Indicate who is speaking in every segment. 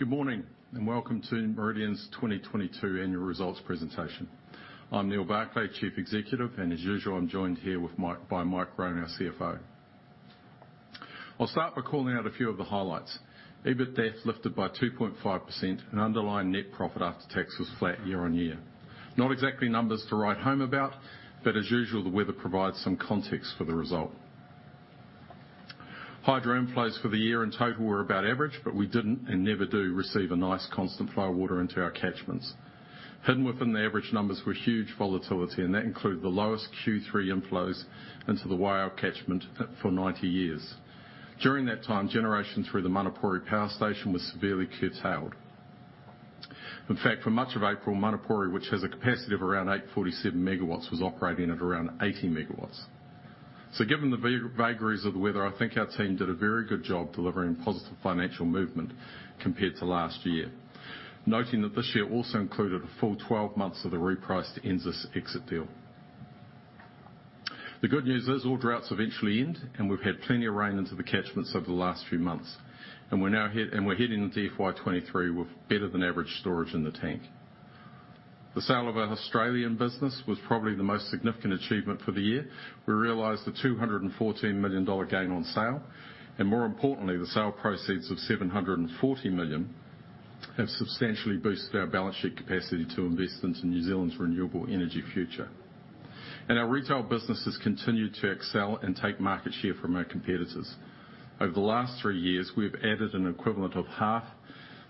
Speaker 1: Good morning, and welcome to Meridian's 2022 annual results presentation. I'm Neal Barclay, Chief Executive, and as usual, I'm joined by Mike Roan, our CFO. I'll start by calling out a few of the highlights. EBITDA lifted by 2.5% and underlying net profit after tax was flat year-on-year. Not exactly numbers to write home about, but as usual, the weather provides some context for the result. Hydro inflows for the year in total were about average, but we didn't, and never do, receive a nice constant flow of water into our catchments. Hidden within the average numbers were huge volatility, and that included the lowest Q3 inflows into the Waiau catchment for 90 years. During that time, generation through the Manapōuri Power Station was severely curtailed. In fact, for much of April, Manapōuri, which has a capacity of around 847 MW, was operating at around 80 MW. Given the vagaries of the weather, I think our team did a very good job delivering positive financial movement compared to last year. Noting that this year also included a full 12 months of the repriced NZAS exit deal. The good news is, all droughts eventually end, and we've had plenty of rain into the catchments over the last few months, and we're now heading into FY 2023 with better than average storage in the tank. The sale of our Australian business was probably the most significant achievement for the year. We realized a 214 million dollar gain on sale, and more importantly, the sale proceeds of 740 million have substantially boosted our balance sheet capacity to invest into New Zealand's renewable energy future. Our retail business has continued to excel and take market share from our competitors. Over the last three years, we have added an equivalent of half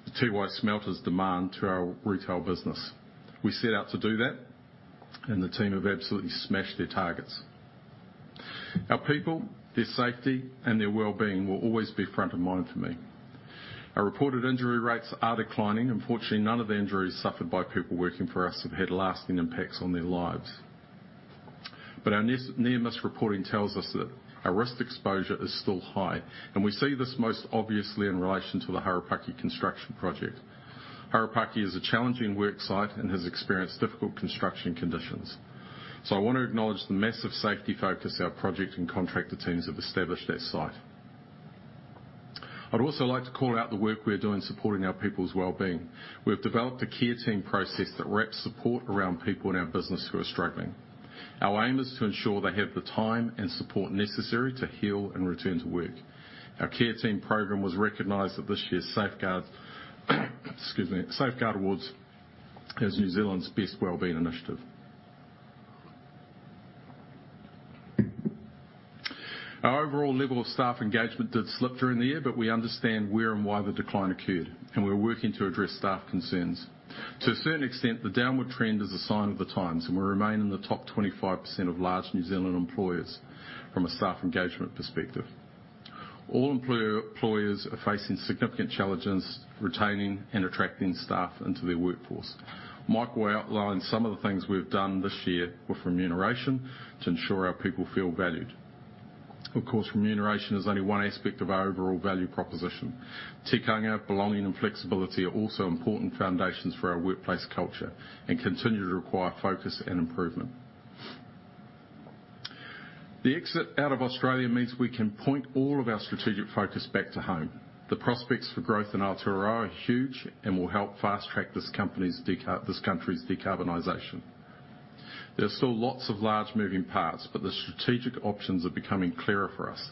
Speaker 1: the Tiwai Smelter's demand to our retail business. We set out to do that, and the team have absolutely smashed their targets. Our people, their safety, and their well-being will always be front of mind for me. Our reported injury rates are declining. Unfortunately, none of the injuries suffered by people working for us have had lasting impacts on their lives. Our near-miss reporting tells us that our risk exposure is still high, and we see this most obviously in relation to the Harapaki construction project. Harapaki is a challenging work site and has experienced difficult construction conditions. I want to acknowledge the massive safety focus our project and contractor teams have established at site. I'd also like to call out the work we are doing supporting our people's well-being. We have developed a care team process that wraps support around people in our business who are struggling. Our aim is to ensure they have the time and support necessary to heal and return to work. Our care team program was recognized at this year's Safeguard Awards as New Zealand's best well-being initiative. Our overall level of staff engagement did slip during the year, but we understand where and why the decline occurred, and we're working to address staff concerns. To a certain extent, the downward trend is a sign of the times, and we remain in the top 25% of large New Zealand employers from a staff engagement perspective. All employers are facing significant challenges retaining and attracting staff into their workforce. Mike will outline some of the things we've done this year with remuneration to ensure our people feel valued. Of course, remuneration is only one aspect of our overall value proposition. Tikanga, belonging, and flexibility are also important foundations for our workplace culture and continue to require focus and improvement. The exit out of Australia means we can point all of our strategic focus back to home. The prospects for growth in Aotearoa are huge and will help fast-track this company's this country's decarbonization. There are still lots of large moving parts, but the strategic options are becoming clearer for us.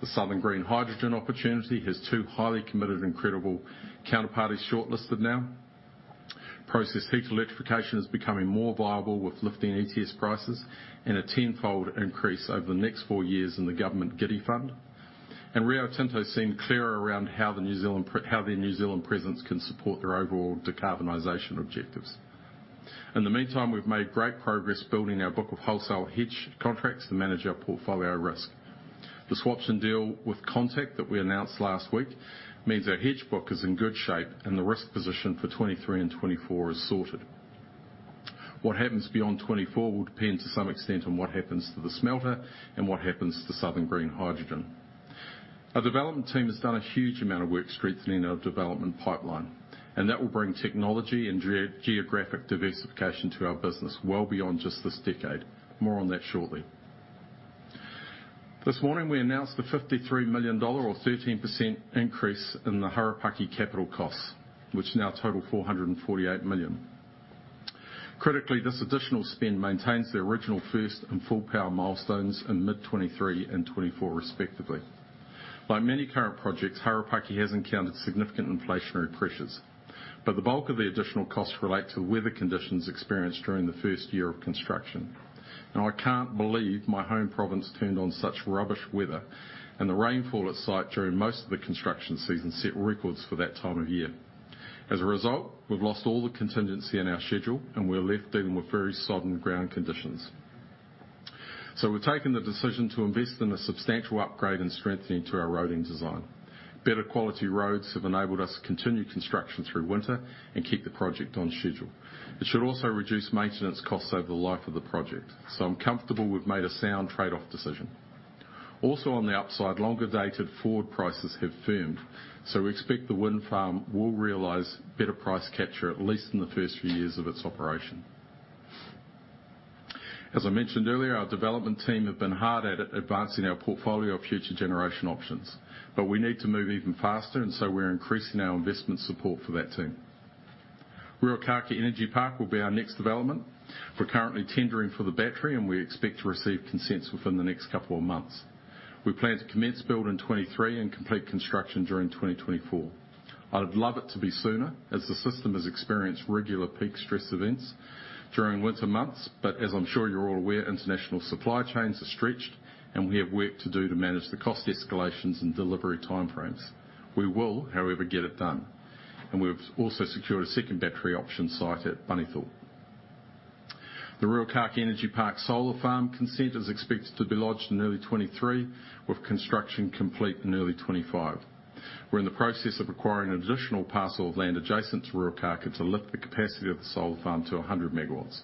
Speaker 1: The Southern Green Hydrogen opportunity has two highly committed and credible counterparties shortlisted now. Process heat electrification is becoming more viable with lifting ETS prices and a tenfold increase over the next four years in the government GIDI fund. Rio Tinto seem clearer around how their New Zealand presence can support their overall decarbonization objectives. In the meantime, we've made great progress building our book of wholesale hedge contracts to manage our portfolio risk. The swaps and deal with Contact that we announced last week means our hedge book is in good shape and the risk position for 2023 and 2024 is sorted. What happens beyond 2024 will depend to some extent on what happens to the smelter and what happens to Southern Green Hydrogen. Our development team has done a huge amount of work strengthening our development pipeline, and that will bring technology and geographic diversification to our business well beyond just this decade. More on that shortly. This morning, we announced a 53 million dollar or 13% increase in the Harapaki capital costs, which now total 448 million. Critically, this additional spend maintains the original first and full power milestones in mid-2023 and 2024 respectively. Like many current projects, Harapaki has encountered significant inflationary pressures, but the bulk of the additional costs relate to weather conditions experienced during the first year of construction. Now, I can't believe my home province turned on such rubbish weather and the rainfall at site during most of the construction season set records for that time of year. As a result, we've lost all the contingency in our schedule, and we're left dealing with very sodden ground conditions. We've taken the decision to invest in a substantial upgrade and strengthening to our roading design. Better quality roads have enabled us to continue construction through winter and keep the project on schedule. It should also reduce maintenance costs over the life of the project. I'm comfortable we've made a sound trade-off decision. Also, on the upside, longer dated forward prices have firmed, so we expect the wind farm will realize better price capture, at least in the first few years of its operation. As I mentioned earlier, our development team have been hard at it advancing our portfolio of future generation options, but we need to move even faster, and so we're increasing our investment support for that team. Ruakākā Energy Park will be our next development. We're currently tendering for the battery, and we expect to receive consents within the next couple of months. We plan to commence build in 2023 and complete construction during 2024. I'd love it to be sooner as the system has experienced regular peak stress events during winter months. As I'm sure you're all aware, international supply chains are stretched, and we have work to do to manage the cost escalations and delivery time frames. We will, however, get it done. We've also secured a second battery option site at Bunnythorpe. The Ruakākā Energy Park solar farm consent is expected to be lodged in early 2023, with construction complete in early 2025. We're in the process of acquiring an additional parcel of land adjacent to Ruakākā to lift the capacity of the solar farm to 100 MW.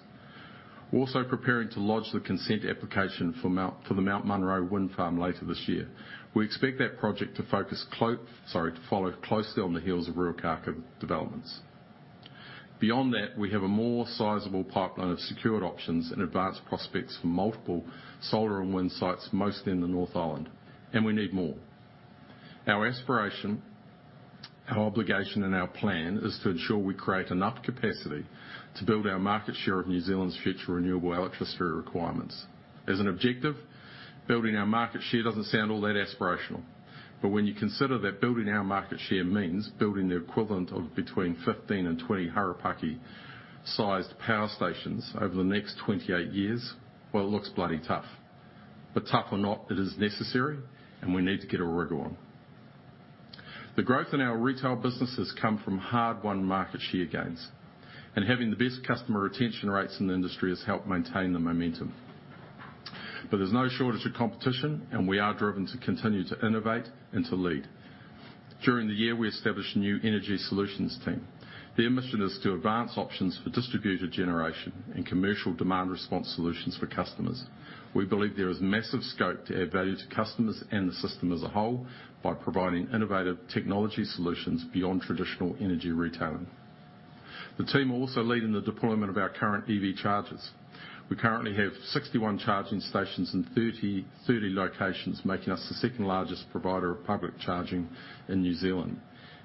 Speaker 1: We're also preparing to lodge the consent application for the Mount Munro wind farm later this year. We expect that project to follow closely on the heels of Ruakākā developments. Beyond that, we have a more sizable pipeline of secured options and advanced prospects for multiple solar and wind sites, mostly in the North Island, and we need more. Our aspiration, our obligation, and our plan is to ensure we create enough capacity to build our market share of New Zealand's future renewable electricity requirements. As an objective, building our market share doesn't sound all that aspirational. When you consider that building our market share means building the equivalent of between 15 and 20 Harapaki-sized power stations over the next 28 years, well, it looks bloody tough. Tough or not, it is necessary, and we need to get a rigor on. The growth in our retail business has come from hard-won market share gains, and having the best customer retention rates in the industry has helped maintain the momentum. There's no shortage of competition, and we are driven to continue to innovate and to lead. During the year, we established a new energy solutions team. Their mission is to advance options for distributed generation and commercial demand response solutions for customers. We believe there is massive scope to add value to customers and the system as a whole by providing innovative technology solutions beyond traditional energy retailing. The team are also leading the deployment of our current EV chargers. We currently have 61 charging stations in 33 locations, making us the second largest provider of public charging in New Zealand.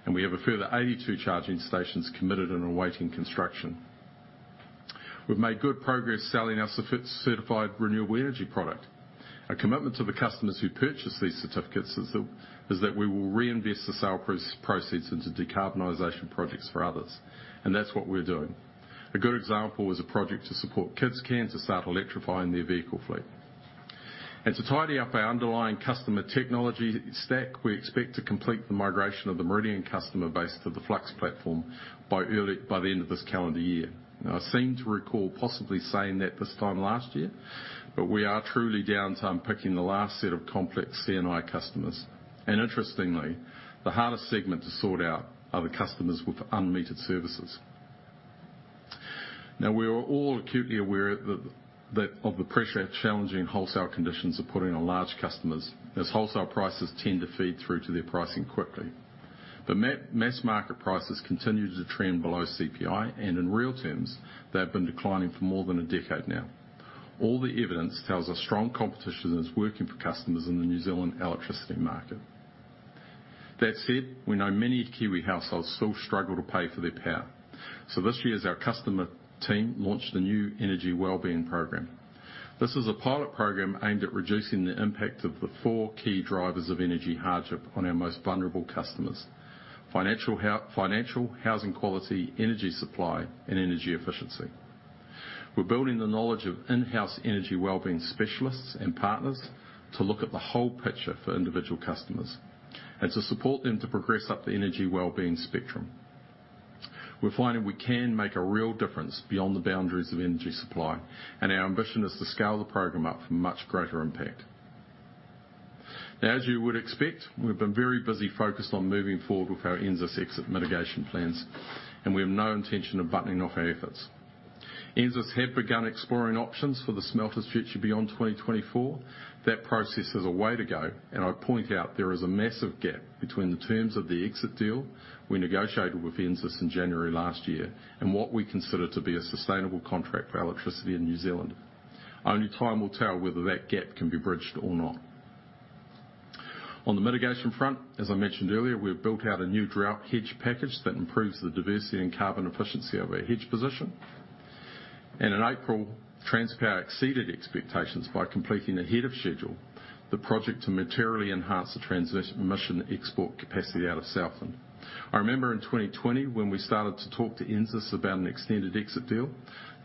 Speaker 1: We have a further 82 charging stations committed and awaiting construction. We've made good progress selling our CER-certified renewable energy product. Our commitment to the customers who purchase these certificates is that we will reinvest the sale proceeds into decarbonization projects for others, and that's what we're doing. A good example is a project to support KidsCan to start electrifying their vehicle fleet. To tidy up our underlying customer technology stack, we expect to complete the migration of the Meridian customer base to the Flux platform by the end of this calendar year. Now, I seem to recall possibly saying that this time last year, but we are truly down to unpicking the last set of complex C&I customers. Interestingly, the hardest segment to sort out are the customers with unmetered services. Now, we're all acutely aware that of the pressure challenging wholesale conditions are putting on large customers as wholesale prices tend to feed through to their pricing quickly. But mass market prices continue to trend below CPI, and in real terms, they've been declining for more than a decade now. All the evidence tells us strong competition is working for customers in the New Zealand electricity market. That said, we know many Kiwi households still struggle to pay for their power. This year, our customer team launched a new energy wellbeing program. This is a pilot program aimed at reducing the impact of the four key drivers of energy hardship on our most vulnerable customers, financial, housing quality, energy supply, and energy efficiency. We're building the knowledge of in-house energy wellbeing specialists and partners to look at the whole picture for individual customers and to support them to progress up the energy wellbeing spectrum. We're finding we can make a real difference beyond the boundaries of energy supply, and our ambition is to scale the program up for much greater impact. Now, as you would expect, we've been very busy focused on moving forward with our NZAS exit mitigation plans, and we have no intention of backing off our efforts. NZAS have begun exploring options for the smelter's future beyond 2024. That process has a way to go, and I point out there is a massive gap between the terms of the exit deal we negotiated with NZAS in January last year and what we consider to be a sustainable contract for electricity in New Zealand. Only time will tell whether that gap can be bridged or not. On the mitigation front, as I mentioned earlier, we've built out a new drought hedge package that improves the diversity and carbon efficiency of our hedge position. In April, Transpower exceeded expectations by completing ahead of schedule the project to materially enhance the transmission export capacity out of Southland. I remember in 2020 when we started to talk to NZAS about an extended exit deal,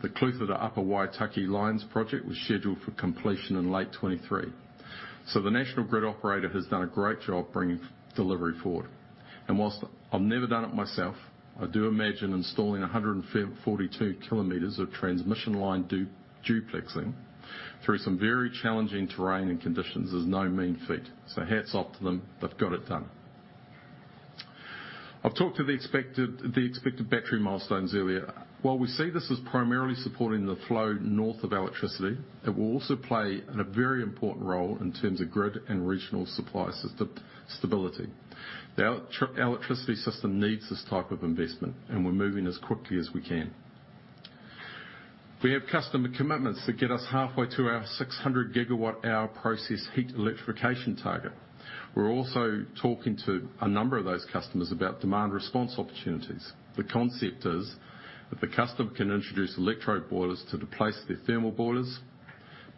Speaker 1: the Clutha to Upper Waitaki lines project was scheduled for completion in late 2023. The national grid operator has done a great job bringing delivery forward. While I've never done it myself, I do imagine installing 142 kilometers of transmission line duplexing through some very challenging terrain and conditions is no mean feat. Hats off to them. They've got it done. I've talked to the expected battery milestones earlier. While we see this as primarily supporting the flow north of electricity, it will also play a very important role in terms of grid and regional supply system stability. The electricity system needs this type of investment, and we're moving as quickly as we can. We have customer commitments that get us halfway to our 600 GWh process heat electrification target. We're also talking to a number of those customers about demand response opportunities. The concept is that the customer can introduce electrode boilers to replace their thermal boilers,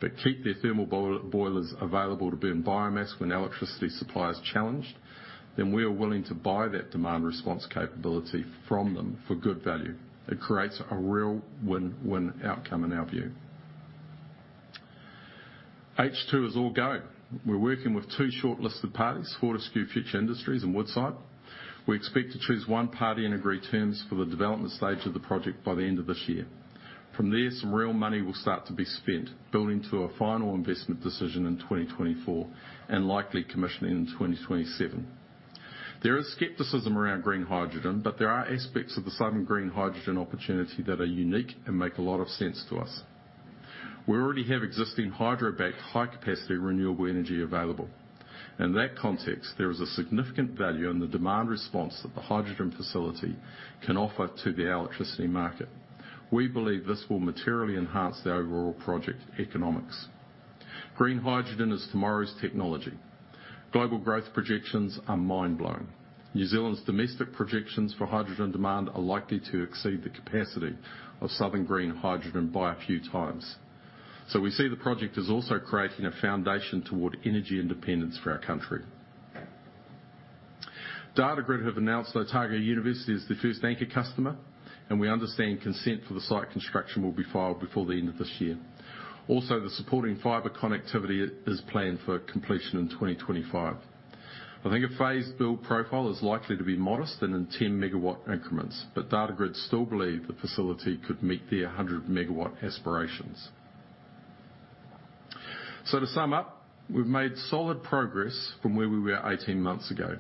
Speaker 1: but keep their thermal boilers available to burn biomass when electricity supply is challenged, then we are willing to buy that demand response capability from them for good value. It creates a real win-win outcome in our view. H2 is all go. We're working with two shortlisted parties, Fortescue Future Industries and Woodside Energy. We expect to choose one party and agree terms for the development stage of the project by the end of this year. From there, some real money will start to be spent building to a final investment decision in 2024 and likely commissioning in 2027. There is skepticism around green hydrogen, but there are aspects of the Southern Green Hydrogen opportunity that are unique and make a lot of sense to us. We already have existing hydro-backed, high capacity renewable energy available. In that context, there is a significant value in the demand response that the hydrogen facility can offer to the electricity market. We believe this will materially enhance the overall project economics. Green hydrogen is tomorrow's technology. Global growth projections are mind-blowing. New Zealand's domestic projections for hydrogen demand are likely to exceed the capacity of Southern Green Hydrogen by a few times. We see the project as also creating a foundation toward energy independence for our country. DataGrid have announced University of Otago as their first anchor customer, and we understand consent for the site construction will be filed before the end of this year. The supporting fiber connectivity is planned for completion in 2025. I think a phased build profile is likely to be modest and in 10 MW increments, but DataGrid still believe the facility could meet their 100 MW aspirations. To sum up, we've made solid progress from where we were 18 months ago.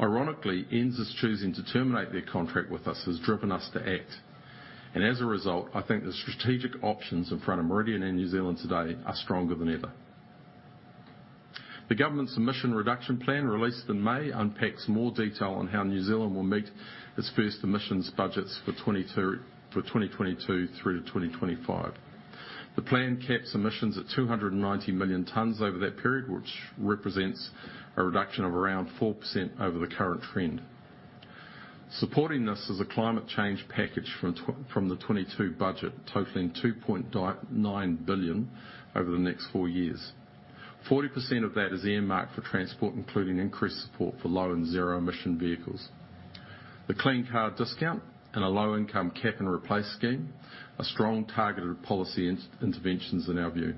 Speaker 1: Ironically, NZ's choosing to terminate their contract with us has driven us to act. As a result, I think the strategic options in front of Meridian and New Zealand today are stronger than ever. The government's emission reduction plan released in May unpacks more detail on how New Zealand will meet its first emissions budgets for 2022 through to 2025. The plan caps emissions at 290 million tons over that period, which represents a reduction of around 4% over the current trend. Supporting this is a climate change package from the 2022 budget, totaling 2.9 billion over the next four years. 40% of that is earmarked for transport, including increased support for low and zero-emission vehicles. The Clean Car Discount and a low-income cap and replace scheme are strong targeted policy interventions in our view.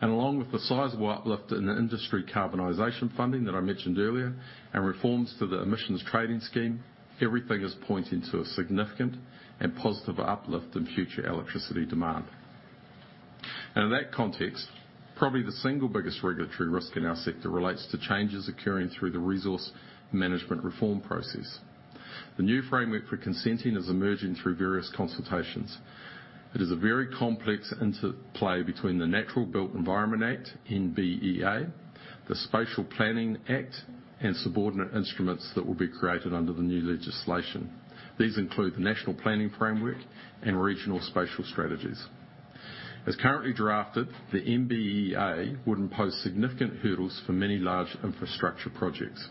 Speaker 1: Along with the sizable uplift in the industry carbonization funding that I mentioned earlier and reforms to the emissions trading scheme, everything is pointing to a significant and positive uplift in future electricity demand. In that context, probably the single biggest regulatory risk in our sector relates to changes occurring through the Resource Management reform process. The new framework for consenting is emerging through various consultations. It is a very complex interplay between the Natural and Built Environment Act, NBEA, the Spatial Planning Act, and subordinate instruments that will be created under the new legislation. These include the National Planning Framework and Regional Spatial Strategies. As currently drafted, the NBEA would impose significant hurdles for many large infrastructure projects.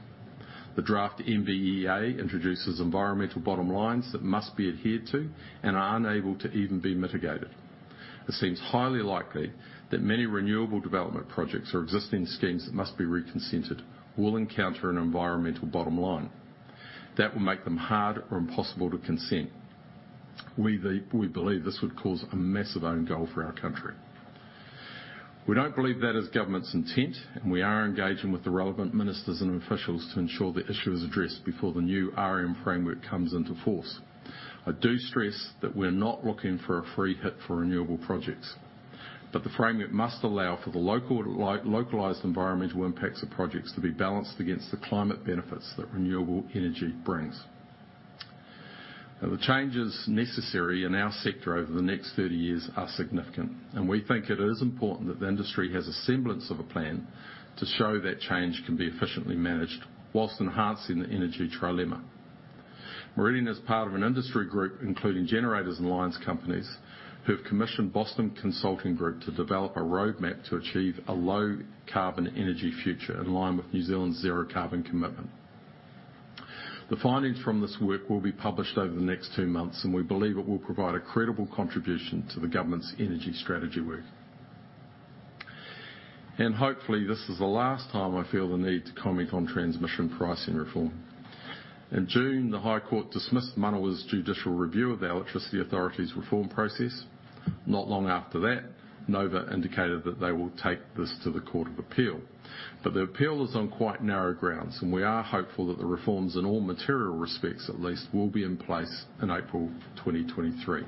Speaker 1: The draft NBEA introduces environmental bottom lines that must be adhered to and are unable to even be mitigated. It seems highly likely that many renewable development projects or existing schemes that must be reconsented will encounter an environmental bottom line. That will make them hard or impossible to consent. We believe this would cause a massive own goal for our country. We don't believe that is government's intent, and we are engaging with the relevant ministers and officials to ensure the issue is addressed before the new RM framework comes into force. I do stress that we're not looking for a free hit for renewable projects, but the framework must allow for the local, localized environmental impacts of projects to be balanced against the climate benefits that renewable energy brings. The changes necessary in our sector over the next 30 years are significant, and we think it is important that the industry has a semblance of a plan to show that change can be efficiently managed while enhancing the energy trilemma. Meridian is part of an industry group, including generators and lines companies, who have commissioned Boston Consulting Group to develop a roadmap to achieve a low carbon energy future in line with New Zealand's zero carbon commitment. The findings from this work will be published over the next two months, and we believe it will provide a credible contribution to the government's energy strategy work. Hopefully, this is the last time I feel the need to comment on transmission pricing reform. In June, the High Court dismissed Manawa's judicial review of the Electricity Authority's reform process. Not long after that, Nova indicated that they will take this to the Court of Appeal. The appeal is on quite narrow grounds, and we are hopeful that the reforms in all material respects at least, will be in place in April 2023.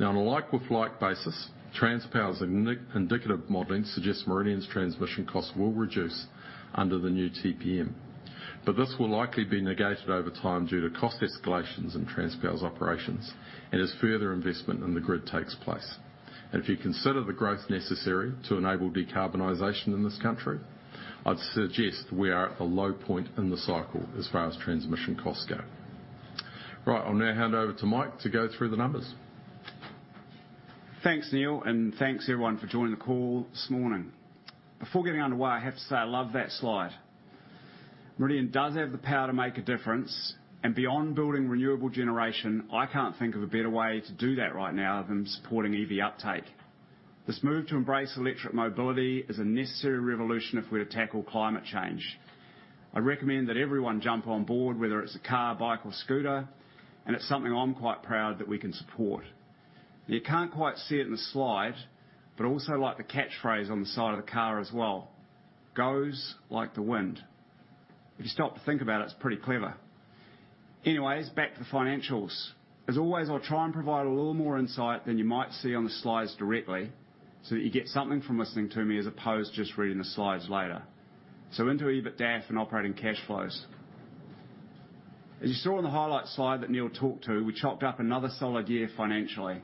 Speaker 1: Now, on a like-with-like basis, Transpower's indicative modeling suggests Meridian's transmission costs will reduce under the new TPM. This will likely be negated over time due to cost escalations in Transpower's operations and as further investment in the grid takes place. If you consider the growth necessary to enable decarbonization in this country, I'd suggest we are at the low point in the cycle as far as transmission costs go. Right, I'll now hand over to Mike to go through the numbers.
Speaker 2: Thanks, Neal, and thanks everyone for joining the call this morning. Before getting underway, I have to say I love that slide. Meridian does have the power to make a difference, and beyond building renewable generation, I can't think of a better way to do that right now than supporting EV uptake. This move to embrace electric mobility is a necessary revolution if we're to tackle climate change. I recommend that everyone jump on board, whether it's a car, bike or scooter, and it's something I'm quite proud that we can support. You can't quite see it in the slide, but I also like the catchphrase on the side of the car as well, "Goes like the wind." If you stop to think about it's pretty clever. Anyways, back to the financials. As always, I'll try and provide a little more insight than you might see on the slides directly, so that you get something from listening to me as opposed just reading the slides later. Into EBITDAF and operating cash flows. As you saw on the highlight slide that Neal talked to, we clocked up another solid year financially.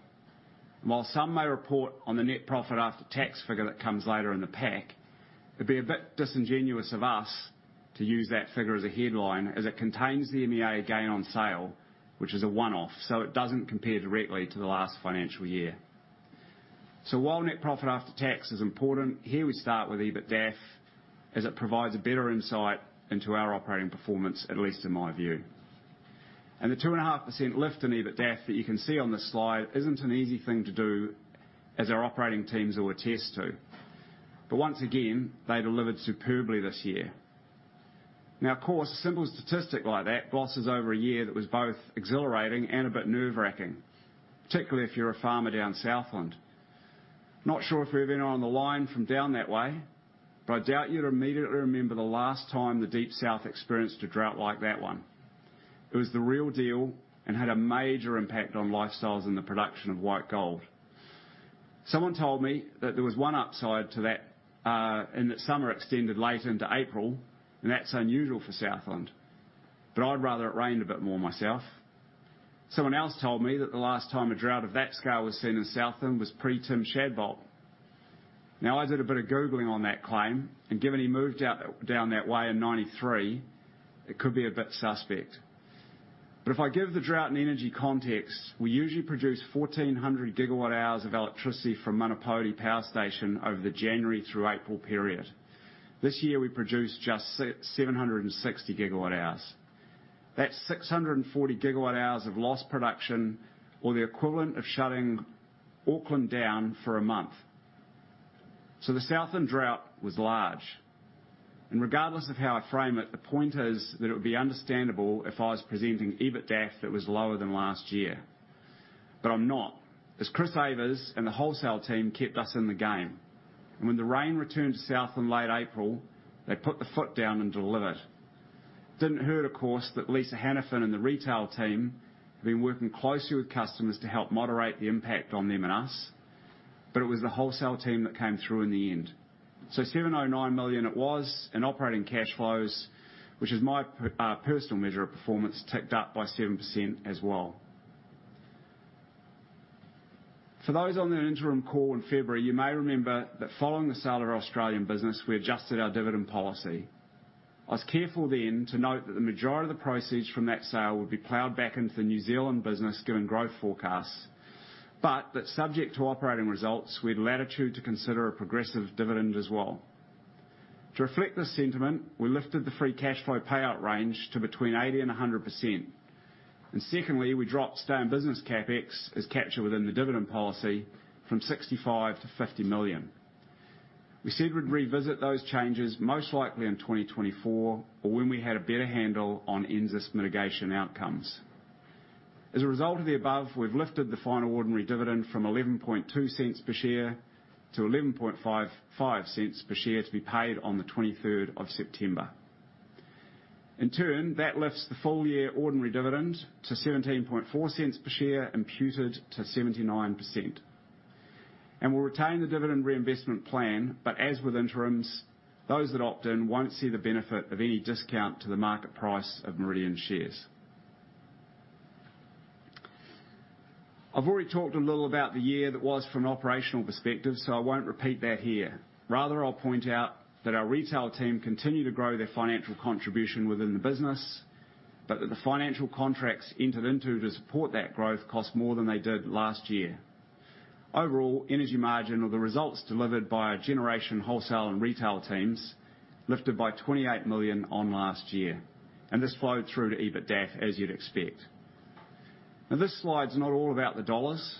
Speaker 2: While some may report on the net profit after tax figure that comes later in the pack, it'd be a bit disingenuous of us to use that figure as a headline, as it contains the MEA gain on sale, which is a one-off, so it doesn't compare directly to the last financial year. While net profit after tax is important, here we start with EBITDAF as it provides a better insight into our operating performance, at least in my view. The 2.5% lift in EBITDAF that you can see on this slide isn't an easy thing to do as our operating teams will attest to. Once again, they delivered superbly this year. Now, of course, a simple statistic like that glosses over a year that was both exhilarating and a bit nerve-wracking, particularly if you're a farmer down Southland. Not sure if we have anyone on the line from down that way, but I doubt you'd immediately remember the last time the Deep South experienced a drought like that one. It was the real deal and had a major impact on lifestyles and the production of white gold. Someone told me that there was one upside to that, and that summer extended late into April, and that's unusual for Southland. I'd rather it rained a bit more myself. Someone else told me that the last time a drought of that scale was seen in Southland was pre Tim Shadbolt. Now, I did a bit of Googling on that claim, and given he moved out, down that way in 1993, it could be a bit suspect. If I give the drought and energy context, we usually produce 1,400 GWh of electricity from Manapouri Power Station over the January through April period. This year, we produced just 760 GWh. That's 640 GWh of lost production or the equivalent of shutting Auckland down for a month. The Southland drought was large. Regardless of how I frame it, the point is that it would be understandable if I was presenting EBITDAF that was lower than last year. I'm not, as Chris Ewers and the wholesale team kept us in the game. When the rain returned to Southland late April, they put the foot down and delivered. Didn't hurt, of course, that Lisa Hannifin and the retail team have been working closely with customers to help moderate the impact on them and us, but it was the wholesale team that came through in the end. 709 million it was in operating cash flows, which is my personal measure of performance ticked up by 7% as well. For those on the interim call in February, you may remember that following the sale of our Australian business, we adjusted our dividend policy. I was careful then to note that the majority of the proceeds from that sale would be plowed back into the New Zealand business given growth forecasts, but that subject to operating results, we had latitude to consider a progressive dividend as well. To reflect this sentiment, we lifted the free cash flow payout range to between 80% and 100%. Secondly, we dropped stay in business CapEx as captured within the dividend policy from 65 million-50 million. We said we'd revisit those changes most likely in 2024 or when we had a better handle on NZAS mitigation outcomes. As a result of the above, we've lifted the final ordinary dividend from 0.112 per share-NZD 0.1155 per share to be paid on the 23rd of September. In turn, that lifts the full year ordinary dividend to 0.174 per share, imputed to 79%. We'll retain the dividend reinvestment plan, but as with interims, those that opt in won't see the benefit of any discount to the market price of Meridian shares. I've already talked a little about the year that was from an operational perspective, so I won't repeat that here. Rather, I'll point out that our retail team continue to grow their financial contribution within the business, but that the financial contracts entered into to support that growth cost more than they did last year. Overall, energy margin or the results delivered by our generation wholesale and retail teams lifted by 28 million on last year. This flowed through to EBITDAF, as you'd expect. Now, this slide's not all about the dollars.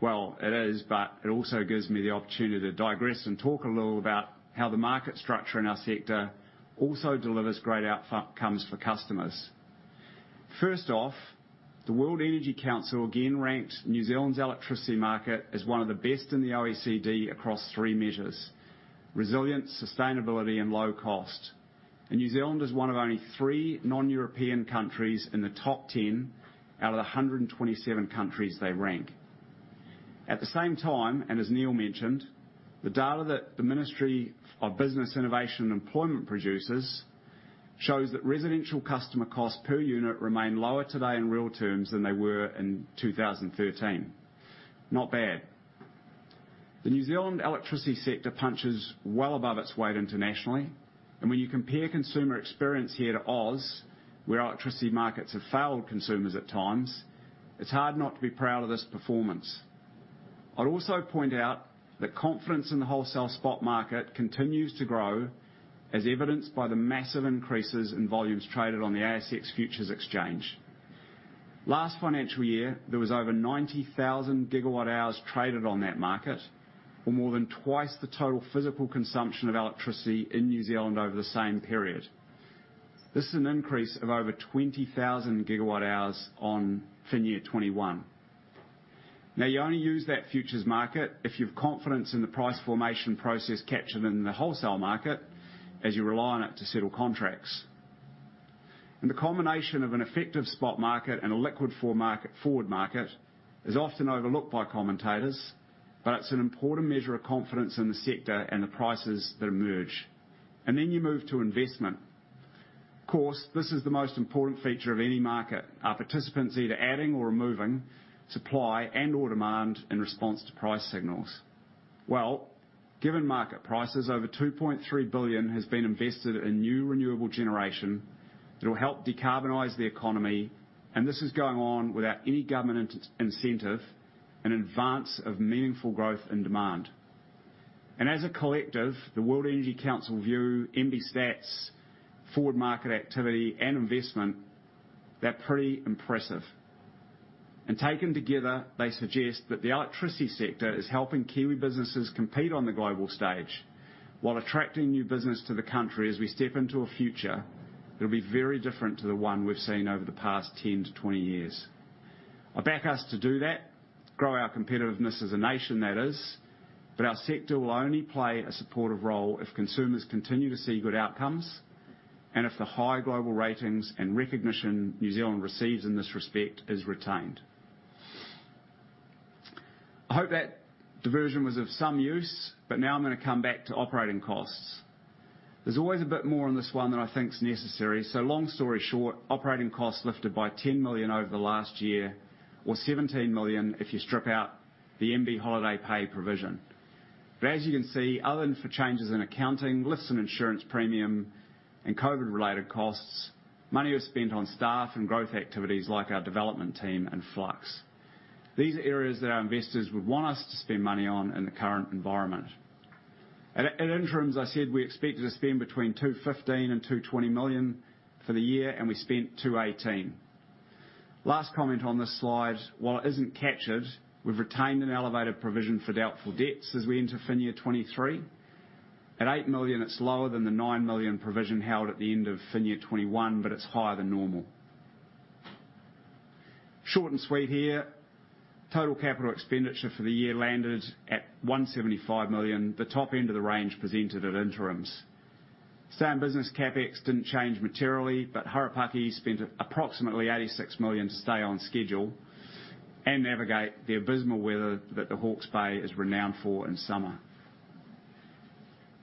Speaker 2: Well, it is, but it also gives me the opportunity to digress and talk a little about how the market structure in our sector also delivers great outcomes for customers. First off, the World Energy Council again ranked New Zealand's electricity market as one of the best in the OECD across three measures: resilience, sustainability, and low cost. New Zealand is one of only three non-European countries in the top 10 out of the 127 countries they rank. At the same time, and as Neal mentioned, the data that the Ministry of Business, Innovation and Employment produces shows that residential customer costs per unit remain lower today in real terms than they were in 2013. Not bad. The New Zealand electricity sector punches well above its weight internationally. When you compare consumer experience here to Oz, where electricity markets have failed consumers at times, it's hard not to be proud of this performance. I'd also point out that confidence in the wholesale spot market continues to grow, as evidenced by the massive increases in volumes traded on the ASX Futures Exchange. Last financial year, there was over 90,000 GWh traded on that market, or more than twice the total physical consumption of electricity in New Zealand over the same period. This is an increase of over 20,000 GWh on financial year 2021. Now, you only use that futures market if you've confidence in the price formation process captured in the wholesale market as you rely on it to settle contracts. The combination of an effective spot market and a liquid forward market is often overlooked by commentators, but it's an important measure of confidence in the sector and the prices that emerge. Then you move to investment. Of course, this is the most important feature of any market. Are participants either adding or removing supply and/or demand in response to price signals? Well, given market prices over 2.3 billion has been invested in new renewable generation that will help decarbonize the economy, and this is going on without any government incentive in advance of meaningful growth and demand. As a collective, the World Energy Council view, MBIE stats, forward market activity and investment, they're pretty impressive. Taken together, they suggest that the electricity sector is helping Kiwi businesses compete on the global stage while attracting new business to the country as we step into a future that'll be very different to the one we've seen over the past 10 to 20 years. I back us to do that, grow our competitiveness as a nation, that is, but our sector will only play a supportive role if consumers continue to see good outcomes and if the high global ratings and recognition New Zealand receives in this respect is retained. I hope that diversion was of some use, but now I'm gonna come back to operating costs. There's always a bit more on this one than I think is necessary. Long story short, operating costs lifted by 10 million over the last year or 17 million if you strip out the MBIE holiday pay provision. As you can see, other than for changes in accounting, lifts in insurance premium and COVID-related costs, money was spent on staff and growth activities like our development team and Flux. These are areas that our investors would want us to spend money on in the current environment. At interims, I said we expected to spend between 215 million and 220 million for the year, and we spent 218 million. Last comment on this slide. While it isn't captured, we've retained an elevated provision for doubtful debts as we enter FY 2023. At 8 million, it's lower than the 9 million provision held at the end of FY 2021, but it's higher than normal. Short and sweet here. Total capital expenditure for the year landed at 175 million, the top end of the range presented at interims. Same business CapEx didn't change materially, but Harapaki spent approximately 86 million to stay on schedule and navigate the abysmal weather that the Hawke's Bay is renowned for in summer.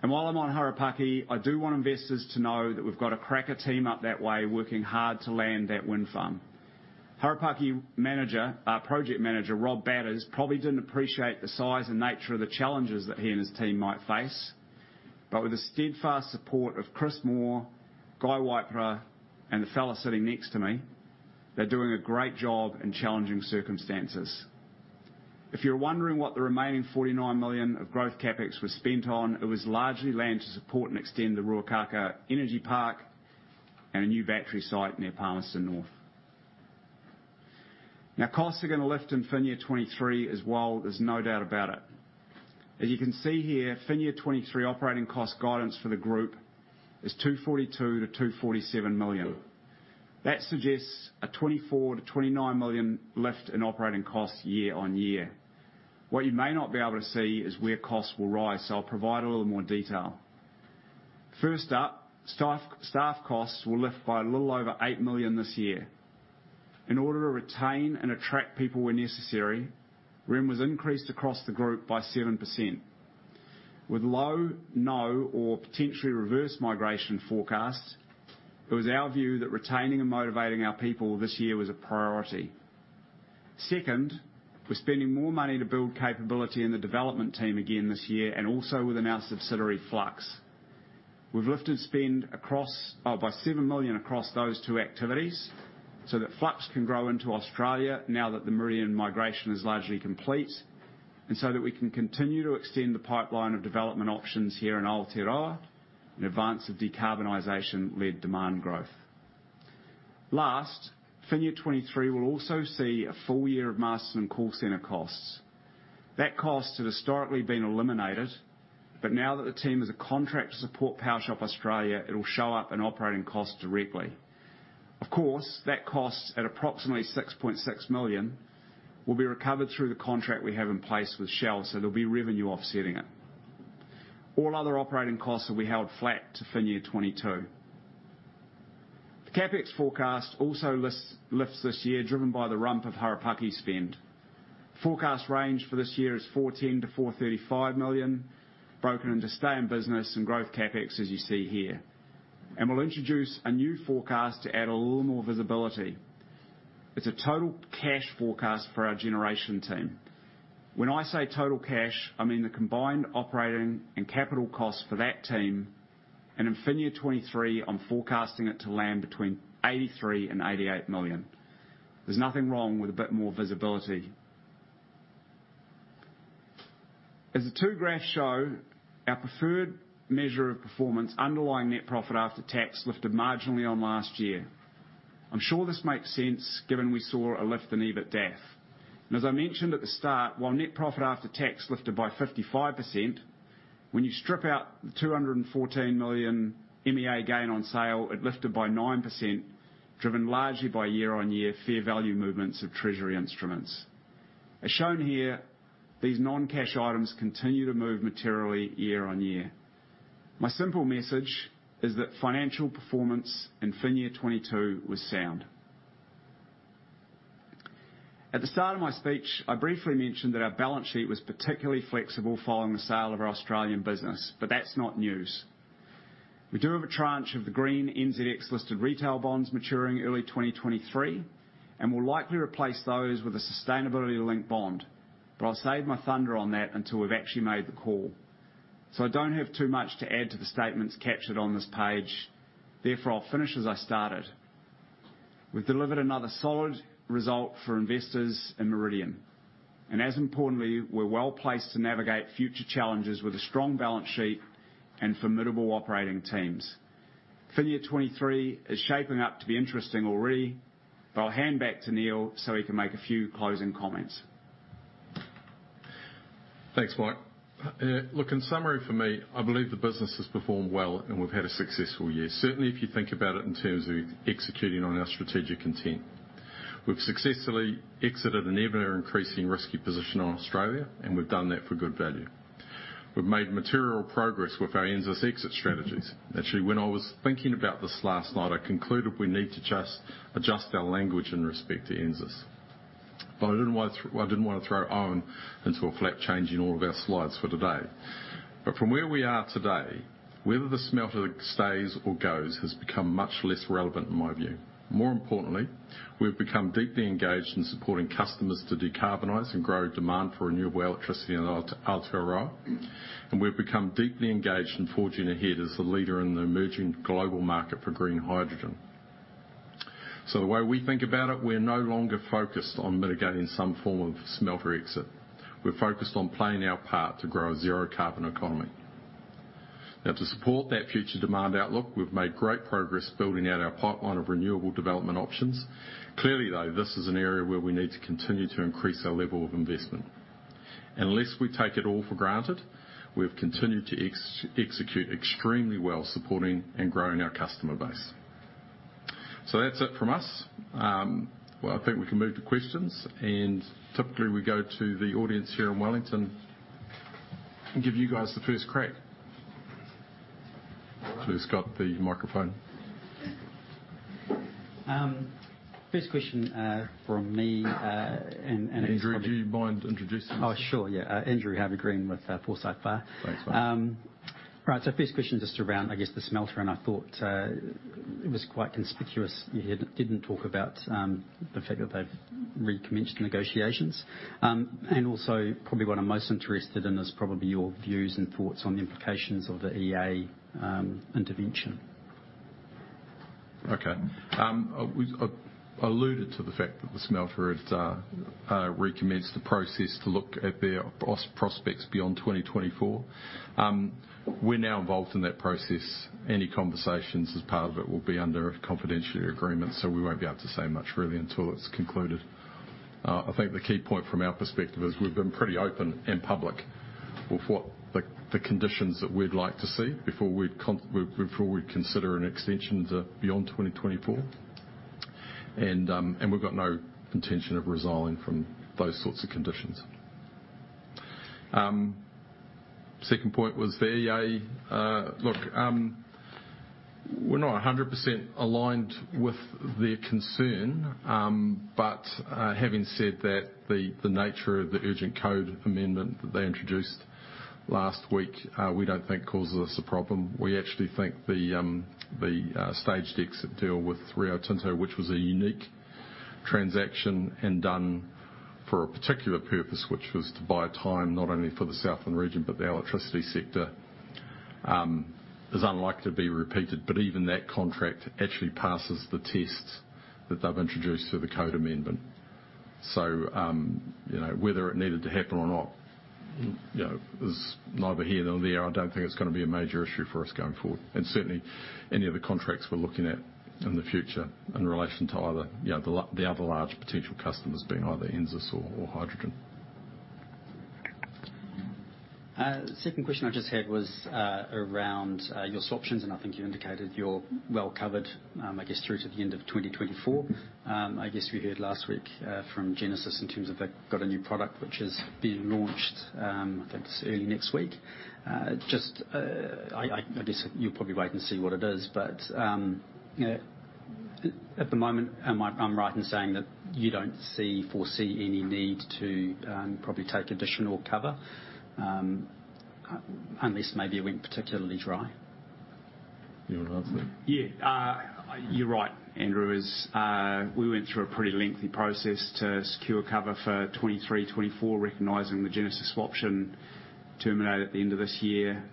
Speaker 2: While I'm on Harapaki, I do want investors to know that we've got a cracker team up that way, working hard to land that wind farm. Harapaki manager, project manager, Rory Blundell, probably didn't appreciate the size and nature of the challenges that he and his team might face. With the steadfast support of Chris Moore, Guy Waipara, and the fella sitting next to me, they're doing a great job in challenging circumstances. If you're wondering what the remaining 49 million of growth CapEx was spent on, it was largely land to support and extend the Ruakākā energy park and a new battery site near Palmerston North. Costs are gonna lift in FY 2023 as well. There's no doubt about it. As you can see here, FY 2023 operating cost guidance for the group is 242 million-247 million. That suggests a 24 million-29 million lift in operating costs year-on-year. What you may not be able to see is where costs will rise, so I'll provide a little more detail. First up, staff costs will lift by a little over 8 million this year. In order to retain and attract people where necessary, rent was increased across the group by 7%. With low, no, or potentially reverse migration forecasts, it was our view that retaining and motivating our people this year was a priority. Second, we're spending more money to build capability in the development team again this year and also within our subsidiary, Flux. We've lifted spend by 7 million across those two activities so that Flux can grow into Australia now that the Meridian migration is largely complete, and so that we can continue to extend the pipeline of development options here in Aotearoa in advance of decarbonization-led demand growth. FY 2023 will also see a full year of Masterton call center costs. That cost had historically been eliminated, but now that the team has a contract to support Powershop Australia, it'll show up in operating costs directly. Of course, that cost at approximately 6.6 million will be recovered through the contract we have in place with Shell, so there'll be revenue offsetting it. All other operating costs will be held flat to FY 2022. The CapEx forecast also lifts this year, driven by the rump of Harapaki spend. Forecast range for this year is 140 million-435 million, broken into stay in business and growth CapEx, as you see here. We'll introduce a new forecast to add a little more visibility. It's a total cash forecast for our generation team. When I say total cash, I mean the combined operating and capital costs for that team. In FY 2023, I'm forecasting it to land between 83 million and 88 million. There's nothing wrong with a bit more visibility. As the two graphs show, our preferred measure of performance, underlying net profit after tax, lifted marginally on last year. I'm sure this makes sense given we saw a lift in EBITDAF. As I mentioned at the start, while net profit after tax lifted by 55%, when you strip out the 214 million MEA gain on sale, it lifted by 9%, driven largely by year-on-year fair value movements of treasury instruments. As shown here, these non-cash items continue to move materially year-on-year. My simple message is that financial performance in FY 2022 was sound. At the start of my speech, I briefly mentioned that our balance sheet was particularly flexible following the sale of our Australian business, but that's not news. We do have a tranche of the green NZX-listed retail bonds maturing early 2023, and we'll likely replace those with a sustainability-linked bond, but I'll save my thunder on that until we've actually made the call. I don't have too much to add to the statements captured on this page. Therefore, I'll finish as I started. We've delivered another solid result for investors in Meridian, and as importantly, we're well-placed to navigate future challenges with a strong balance sheet and formidable operating teams. FY 2023 is shaping up to be interesting already, but I'll hand back to Neal so he can make a few closing comments.
Speaker 1: Thanks, Mike. Look, in summary for me, I believe the business has performed well and we've had a successful year. Certainly, if you think about it in terms of executing on our strategic intent. We've successfully exited an ever-increasing risky position on Australia, and we've done that for good value. We've made material progress with our NZAS exit strategies. Actually, when I was thinking about this last night, I concluded we need to just adjust our language in respect to NZAS. I didn't want to throw Owen into a flat change in all of our slides for today. From where we are today, whether the smelter stays or goes has become much less relevant in my view. More importantly, we've become deeply engaged in supporting customers to decarbonize and grow demand for renewable electricity in Aotearoa. We've become deeply engaged in forging ahead as the leader in the emerging global market for green hydrogen. The way we think about it, we're no longer focused on mitigating some form of smelter exit. We're focused on playing our part to grow a zero carbon economy. Now, to support that future demand outlook, we've made great progress building out our pipeline of renewable development options. Clearly, though, this is an area where we need to continue to increase our level of investment. Let's not take it all for granted, we've continued to execute extremely well, supporting and growing our customer base. That's it from us. Well, I think we can move to questions, and typically we go to the audience here in Wellington and give you guys the first crack. Please grab the microphone.
Speaker 3: First question from me, and it's probably-
Speaker 1: Andrew, do you mind introducing yourself?
Speaker 3: Oh, sure. Yeah. Andrew Harvey-Green with Forsyth Barr.
Speaker 1: Thanks, mate.
Speaker 3: Right. First question just around, I guess, the smelter, and I thought, it was quite conspicuous you didn't talk about the fact that they've recommenced negotiations. Also probably what I'm most interested in is probably your views and thoughts on the implications of the EA intervention.
Speaker 1: Okay. I alluded to the fact that the smelter has recommenced the process to look at their prospects beyond 2024. We're now involved in that process. Any conversations as part of it will be under a confidentiality agreement, so we won't be able to say much really until it's concluded. I think the key point from our perspective is we've been pretty open and public with what the conditions that we'd like to see before we'd consider an extension to beyond 2024. We've got no intention of resiling from those sorts of conditions. Second point was the EA. Look, we're not 100% aligned with their concern, but having said that, the nature of the urgent code amendment that they introduced last week, we don't think causes us a problem. We actually think the staged exit deal with Rio Tinto, which was a unique transaction and done for a particular purpose, which was to buy time, not only for the Southland region, but the electricity sector, is unlikely to be repeated. Even that contract actually passes the tests that they've introduced to the code amendment. You know, whether it needed to happen or not, you know, is neither here nor there. I don't think it's gonna be a major issue for us going forward. Certainly, any of the contracts we're looking at in the future in relation to other, you know, the other large potential customers being either NZAS or Hydrogen.
Speaker 3: Second question I just had was around your swaptions, and I think you indicated you're well covered, I guess, through to the end of 2024. I guess we heard last week from Genesis in terms of they've got a new product which is being launched, I think it's early next week. Just, I guess you'll probably wait and see what it is, but at the moment, am I right in saying that you don't foresee any need to probably take additional cover, unless maybe it went particularly dry?
Speaker 1: You wanna answer?
Speaker 2: Yeah. You're right, Andrew, as we went through a pretty lengthy process to secure cover for 2023, 2024, recognizing the Genesis swap option terminate at the end of this year.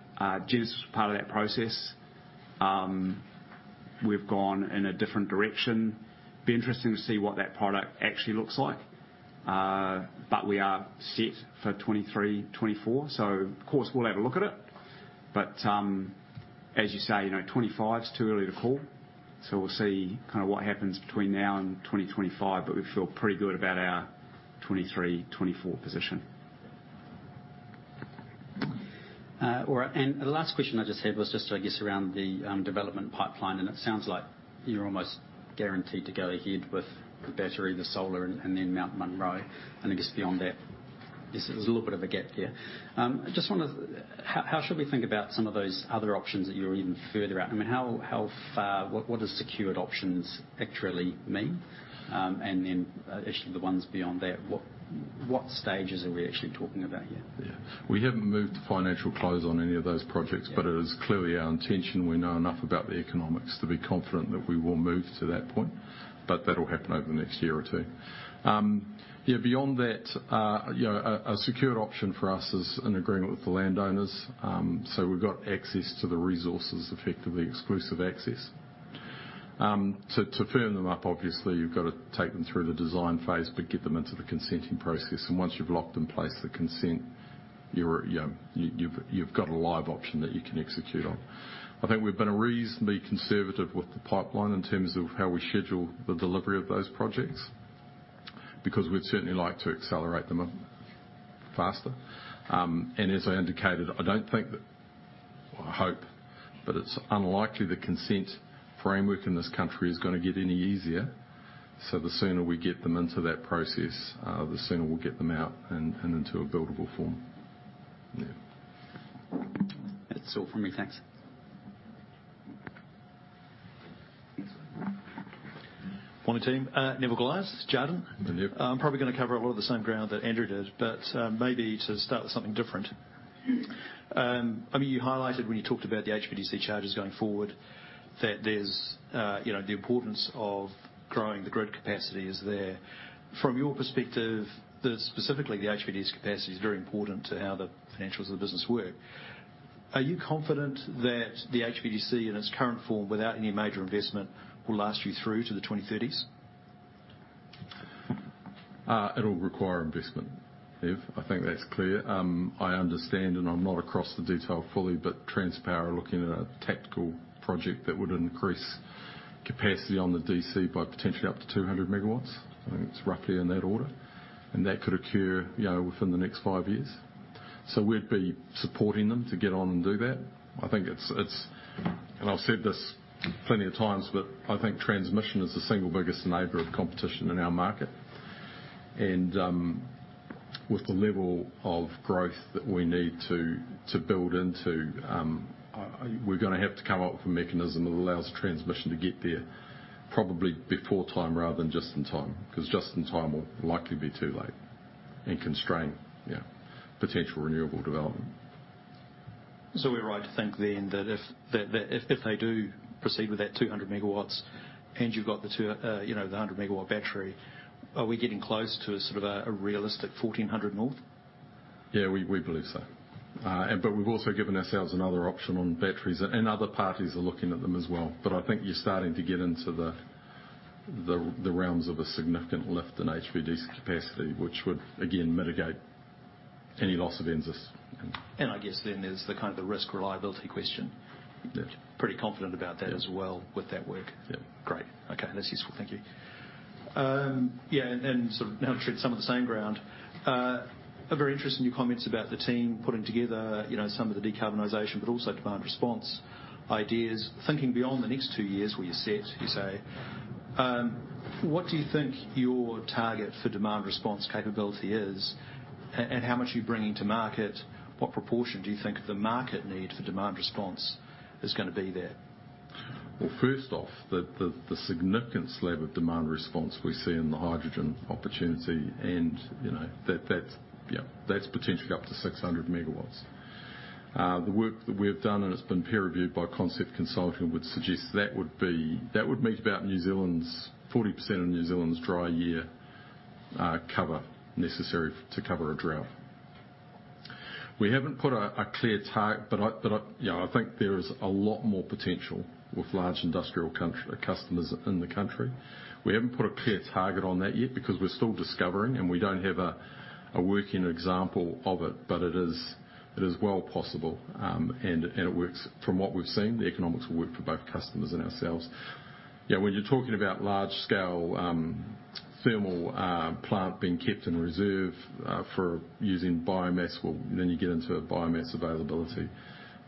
Speaker 2: Genesis was part of that process. We've gone in a different direction. Be interesting to see what that product actually looks like. We are set for 2023, 2024. Of course, we'll have a look at it. As you say, you know, 2025 is too early to call. We'll see kinda what happens between now and 2025, but we feel pretty good about our 2023, 2024 position.
Speaker 3: All right. The last question I just had was just, I guess, around the development pipeline, and it sounds like you're almost guaranteed to go ahead with the battery, the solar, and then Mount Munro. Just beyond that, just there's a little bit of a gap here. I just wonder, how should we think about some of those other options that you're even further out? I mean, how far? What does secured options actually mean? Actually the ones beyond that, what stages are we talking about here?
Speaker 1: Yeah. We haven't moved to financial close on any of those projects.
Speaker 3: Yeah.
Speaker 1: It is clearly our intention. We know enough about the economics to be confident that we will move to that point, but that'll happen over the next year or two. Yeah, beyond that, you know, a secured option for us is an agreement with the landowners. So we've got access to the resources, effectively exclusive access. To firm them up, obviously, you've gotta take them through the design phase, but get them into the consenting process. Once you've locked in place the consent, you know, you've got a live option that you can execute on. I think we've been reasonably conservative with the pipeline in terms of how we schedule the delivery of those projects, because we'd certainly like to accelerate them up faster. As I indicated, I don't think that, or I hope, but it's unlikely the consent framework in this country is gonna get any easier. The sooner we get them into that process, the sooner we'll get them out and into a buildable form. Yeah.
Speaker 3: That's all from me. Thanks.
Speaker 2: Thanks.
Speaker 4: Morning, team. Neville Gluyas, Jarden.
Speaker 1: Great.
Speaker 4: Okay. That's useful. Thank you. Yeah, sort of now to tread some of the same ground. I'm very interested in your comments about the team putting together, you know, some of the decarbonization, but also demand response ideas. Thinking beyond the next two years where you're set, you say, what do you think your target for demand response capability is? And how much are you bringing to market? What proportion do you think the market need for demand response is gonna be there?
Speaker 1: Well, first off, the significant slab of demand response we see in the hydrogen opportunity and, you know, that's potentially up to 600 MW. The work that we have done, and it's been peer reviewed by Concept Consulting, would suggest that would meet about 40% of New Zealand's dry year cover necessary to cover a drought. We haven't put a clear target, but, you know, I think there is a lot more potential with large industrial country customers in the country. We haven't put a clear target on that yet because we're still discovering, and we don't have a working example of it, but it is well possible, and it works. From what we've seen, the economics will work for both customers and ourselves. You know, when you're talking about large scale, thermal, plant being kept in reserve, for using biomass, well, then you get into a biomass availability.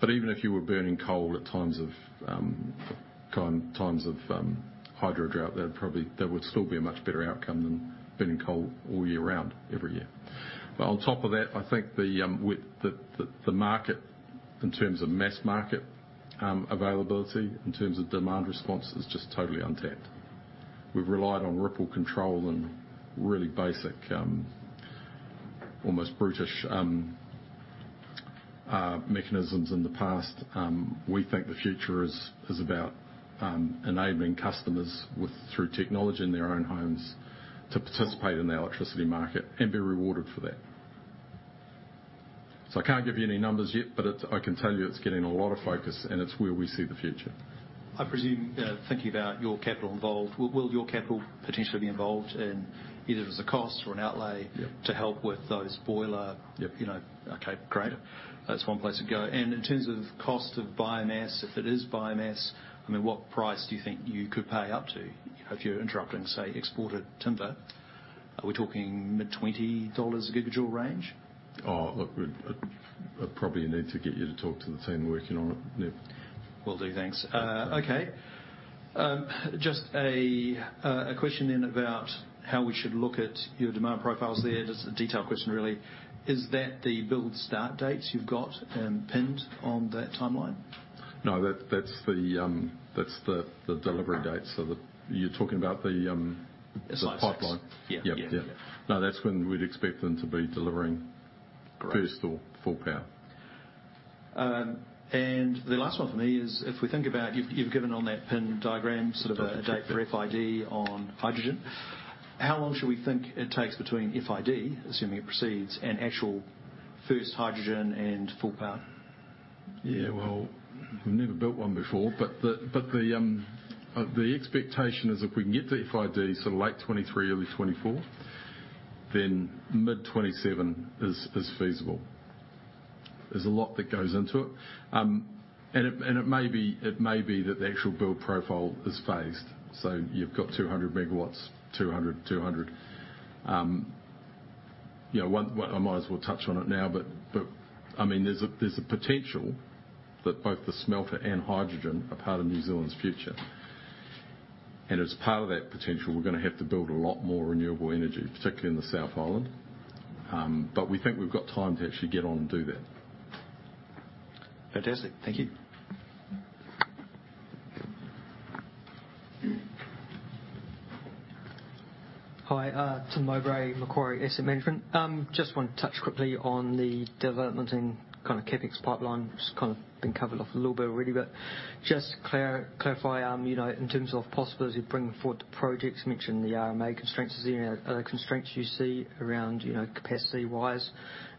Speaker 1: Even if you were burning coal at times of hydro drought, that would still be a much better outcome than burning coal all year round every year. On top of that, I think with the market in terms of mass market availability, in terms of demand response, it's just totally untapped. We've relied on ripple control and really basic, almost brutish, mechanisms in the past. We think the future is about enabling customers through technology in their own homes to participate in the electricity market and be rewarded for that. I can't give you any numbers yet, but it's getting a lot of focus, and it's where we see the future.
Speaker 4: I presume, thinking about your capital involved, will your capital potentially be involved in either as a cost or an outlay-
Speaker 1: Yep.
Speaker 4: -to help with those boiler?
Speaker 1: Yep.
Speaker 4: Okay, great. That's one place to go. In terms of cost of biomass, if it is biomass, I mean, what price do you think you could pay up to if you're interrupting, say, exported timber? Are we talking mid-NZD 20 a gigajoule range?
Speaker 1: Oh, look, I'd probably need to get you to talk to the team working on it, Neal.
Speaker 4: Will do. Thanks. Okay. Just a question then about how we should look at your demand profiles there. Just a detail question, really. Is that the build start dates you've got pinned on that timeline?
Speaker 1: No, that's the delivery dates. You're talking about the-
Speaker 4: The site.
Speaker 1: ...the pipeline.
Speaker 4: Yeah.
Speaker 1: Yep, yeah. No, that's when we'd expect them to be delivering-
Speaker 4: Great
Speaker 1: ...first or full power.
Speaker 4: The last one for me is if we think about you've given on that pinned diagram, sort of a date for FID on hydrogen, how long should we think it takes between FID, assuming it proceeds, and actual first hydrogen and full power?
Speaker 1: Yeah, well, we've never built one before, but the expectation is if we can get the FID sort of late 2023, early 2024, then mid 2027 is feasible. There's a lot that goes into it. It may be that the actual build profile is phased. You've got 200 MW. You know, well, I might as well touch on it now, but I mean, there's a potential that both the smelter and hydrogen are part of New Zealand's future. As part of that potential, we're gonna have to build a lot more renewable energy, particularly in the South Island. We think we've got time to actually get on and do that.
Speaker 4: Fantastic. Thank you.
Speaker 5: Hi, Tim Mowbray, Macquarie Asset Management. Just want to touch quickly on the development and kinda CapEx pipeline. It's kind of been covered off a little bit already, but just clarify, you know, in terms of possibilities bringing forward the projects. You mentioned the RMA constraints. Is there any other constraints you see around, you know, capacity-wise?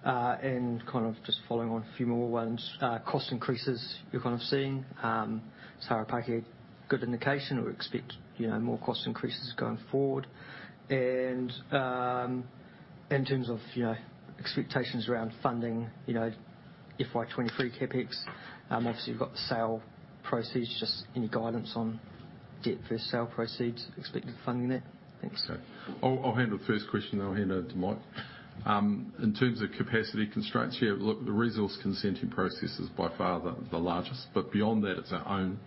Speaker 5: Kind of just following on a few more ones, cost increases you're kind of seeing, so Harapaki, a good indication, or expect, you know, more cost increases going forward. In terms of, you know, expectations around funding, you know, FY 2023 CapEx, obviously you've got the sale proceeds. Just any guidance on debt versus sale proceeds, expected funding there? Thanks.
Speaker 1: Okay. I'll handle the first question, then I'll hand over to Mike. In terms of capacity constraints, yeah, look, the resource consenting process is by far the largest, but beyond that, it's our own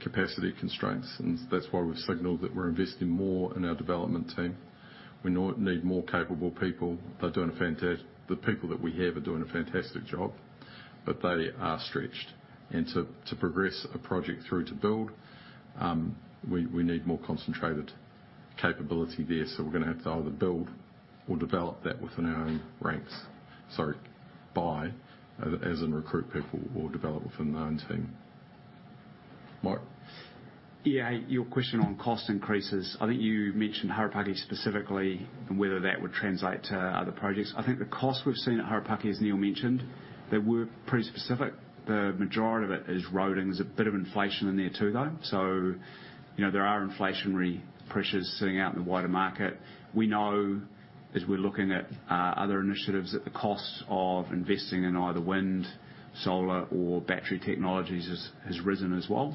Speaker 1: capacity constraints. That's why we've signaled that we're investing more in our development team. We need more capable people. They're doing a fantastic job, but they are stretched. To progress a project through to build, we need more concentrated capability there. We're gonna have to either build or develop that within our own ranks. Sorry, buy as in recruit people or develop within our own team. Mike?
Speaker 2: Yeah. Your question on cost increases, I think you mentioned Harapaki specifically and whether that would translate to other projects. I think the cost we've seen at Harapaki, as Neal mentioned, they were pretty specific. The majority of it is roading. There's a bit of inflation in there, too, though. You know, there are inflationary pressures sitting out in the wider market. We know, as we're looking at other initiatives, that the cost of investing in either wind, solar, or battery technologies has risen as well.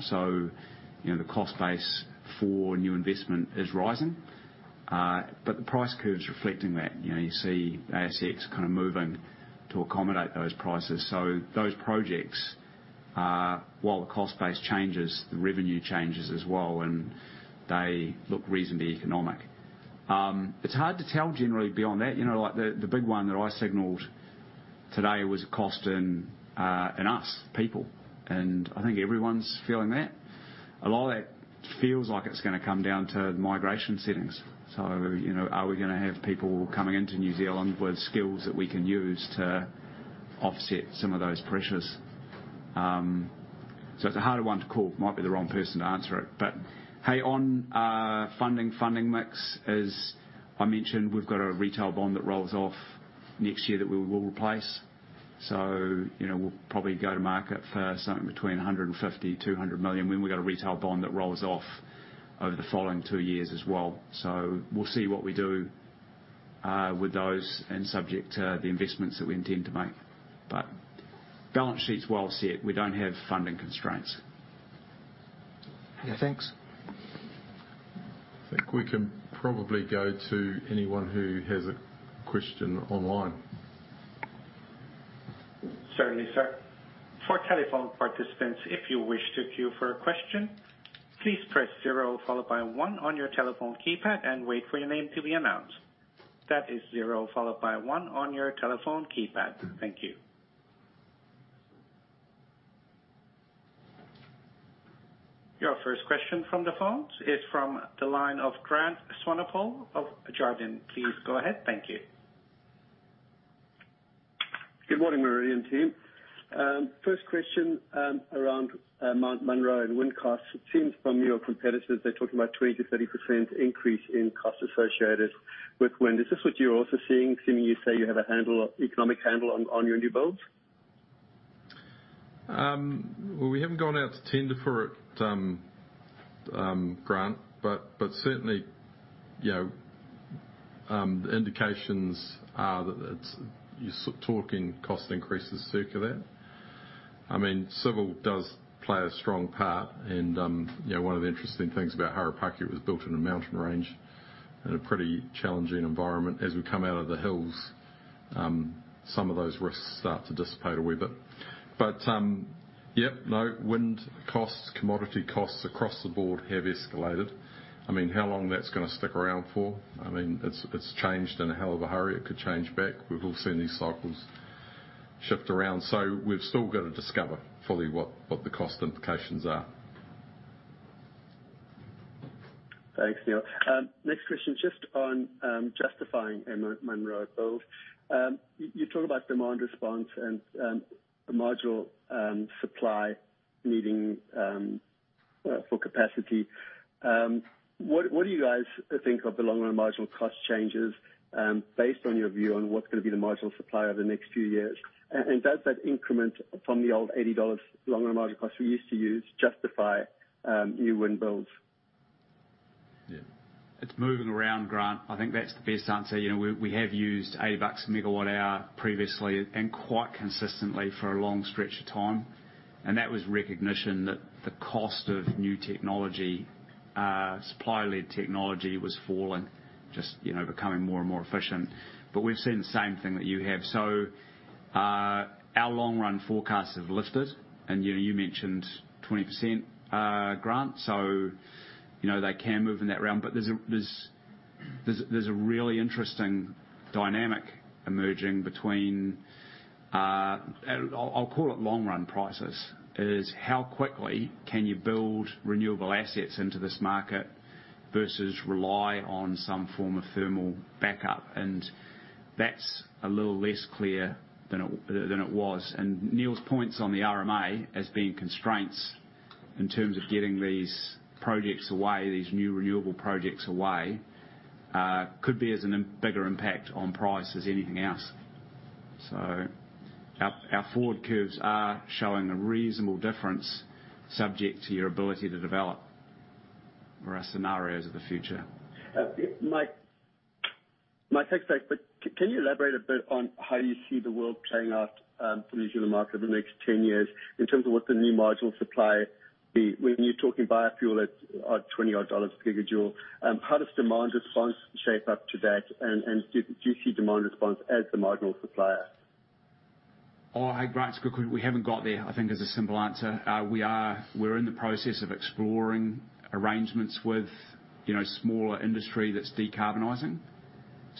Speaker 2: You know, the cost base for new investment is rising. The price curve is reflecting that. You know, you see ASX kind of moving to accommodate those prices. Those projects, while the cost base changes, the revenue changes as well, and they look reasonably economic. It's hard to tell generally beyond that. You know, like the big one that I signaled today was a cost in wages, people, and I think everyone's feeling that. A lot of that feels like it's gonna come down to migration settings. You know, are we gonna have people coming into New Zealand with skills that we can use to offset some of those pressures? It's a harder one to call. Might be the wrong person to answer it. Hey, on funding mix, as I mentioned, we've got a retail bond that rolls off next year that we will replace. You know, we'll probably go to market for something between 150 million-200 million when we've got a retail bond that rolls off over the following two years as well. We'll see what we do with those and subject to the investments that we intend to make. Balance sheet's well set. We don't have funding constraints.
Speaker 5: Yeah, thanks.
Speaker 1: I think we can probably go to anyone who has a question online.
Speaker 6: Certainly, sir. For telephone participants, if you wish to queue for a question, please press zero followed by one on your telephone keypad and wait for your name to be announced. That is zero followed by one on your telephone keypad. Thank you. Your first question from the phone is from the line of Grant Swanepoel of Jarden. Please go ahead. Thank you.
Speaker 7: Good morning, Meridian team. First question around Mount Munro and wind costs. It seems from your competitors they're talking about 20%-30% increase in costs associated with wind. Is this what you're also seeing you say you have a handle, economic handle on your new builds?
Speaker 1: Well, we haven't gone out to tender for it, Grant, but certainly, you know, the indications are that it's. You're talking cost increases circa that. I mean, civil does play a strong part and, you know, one of the interesting things about Harapaki, it was built in a mountain range in a pretty challenging environment. As we come out of the hills, some of those risks start to dissipate a wee bit. Yep, no, wind costs, commodity costs across the board have escalated. I mean, how long that's gonna stick around for? I mean, it's changed in a hell of a hurry. It could change back. We've all seen these cycles shift around. We've still gotta discover fully what the cost implications are.
Speaker 7: Thanks, Neal. Next question, just on justifying a Manawa build. You talk about demand response and the marginal supply needing for capacity. What do you guys think of the long-run marginal cost changes based on your view on what's gonna be the marginal supply over the next few years? Does that increment from the old 80 dollars long-run marginal cost we used to use justify new wind builds?
Speaker 1: Yeah.
Speaker 2: It's moving around, Grant. I think that's the best answer. You know, we have used 80 bucks MWh previously and quite consistently for a long stretch of time, and that was recognition that the cost of new technology, supply-led technology was falling. Just you know, becoming more and more efficient. We've seen the same thing that you have. Our long run forecasts have lifted, and you know, you mentioned 20%, Grant, so you know, they can move in that realm. There's a really interesting dynamic emerging between I'll call it long-run prices. Is how quickly can you build renewable assets into this market versus rely on some form of thermal backup? That's a little less clear than it was. Neal's points on the RMA as being constraints in terms of getting these new renewable projects away could be as even bigger impact on price as anything else. Our forward curves are showing a reasonable difference subject to your ability to develop for our scenarios of the future.
Speaker 7: Mike, thanks for that. Can you elaborate a bit on how you see the world playing out from a New Zealand market over the next 10 years in terms of what the new marginal supply be when you're talking biofuel at NZD 20-odd a gigajoule? How does demand response shape up to that, and do you see demand response as the marginal supplier?
Speaker 2: Oh, hey, Grant, it's good. We haven't got there, I think is the simple answer. We're in the process of exploring arrangements with, you know, smaller industry that's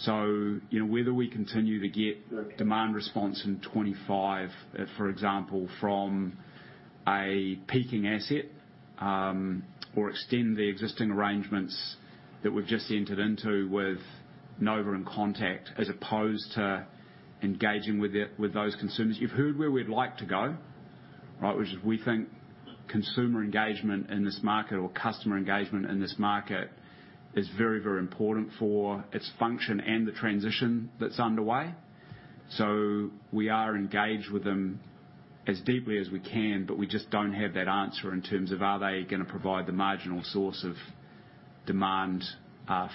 Speaker 2: decarbonizing. You know, whether we continue to get demand response in 2025, for example, from a peaking asset, or extend the existing arrangements that we've just entered into with Nova and Contact as opposed to engaging with those consumers. You've heard where we'd like to go, right? Which is we think consumer engagement in this market or customer engagement in this market is very, very important for its function and the transition that's underway. We are engaged with them as deeply as we can, but we just don't have that answer in terms of are they gonna provide the marginal source of demand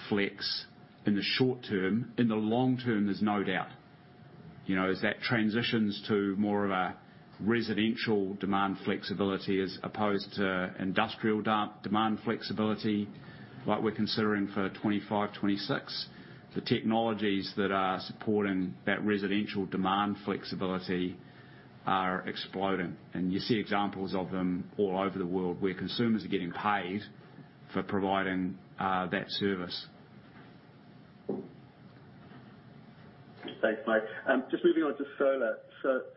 Speaker 2: flex in the short term. In the long term, there's no doubt. You know, as that transitions to more of a residential demand flexibility as opposed to industrial demand flexibility, like we're considering for 2025, 2026. The technologies that are supporting that residential demand flexibility are exploding, and you see examples of them all over the world where consumers are getting paid for providing that service.
Speaker 7: Thanks, Mike. Just moving on to solar.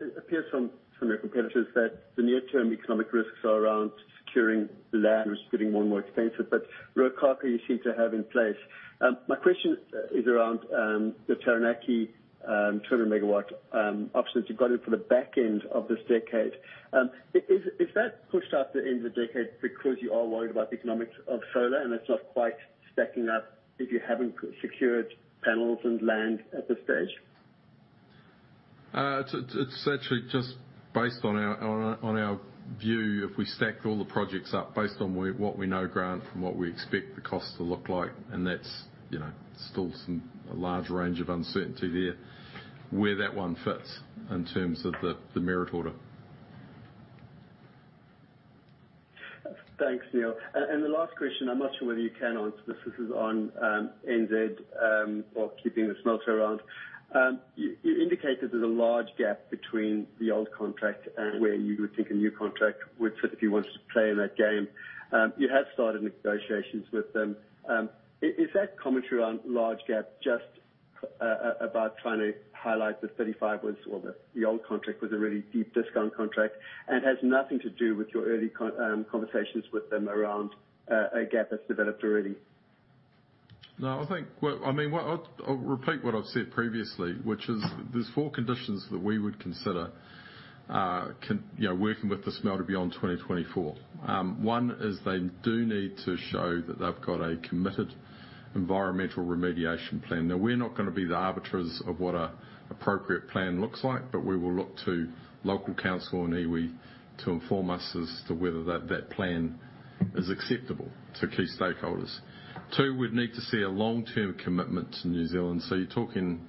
Speaker 7: It appears from your competitors that the near-term economic risks are around securing land, which is getting more and more expensive, but Ruakākā, you seem to have in place. My question is around the Taranaki 200 MW options you've got in for the back end of this decade. Is that pushed out to the end of the decade because you are worried about the economics of solar, and it's not quite stacking up if you haven't secured panels and land at this stage?
Speaker 1: It's actually just based on our view, if we stacked all the projects up based on what we know, Grant, from what we expect the costs to look like, and that's, you know, still some a large range of uncertainty there, where that one fits in terms of the merit order.
Speaker 7: Thanks, Neal. The last question, I'm not sure whether you can answer this. This is on NZAS or keeping the smelter around. You indicated there's a large gap between the old contract and where you would think a new contract would sit if you wanted to play in that game. You have started negotiations with them. Is that commentary on large gap just about trying to highlight that 35 was? Or the old contract was a really deep discount contract and has nothing to do with your early conversations with them around a gap that's developed already?
Speaker 1: No, I think I mean what I'll repeat what I've said previously, which is there's four conditions that we would consider, you know, working with the smelter beyond 2024. One is they do need to show that they've got a committed environmental remediation plan. Now, we're not gonna be the arbiters of what an appropriate plan looks like, but we will look to local council and iwi to inform us as to whether that plan is acceptable to key stakeholders. Two, we'd need to see a long-term commitment to New Zealand. You're talking,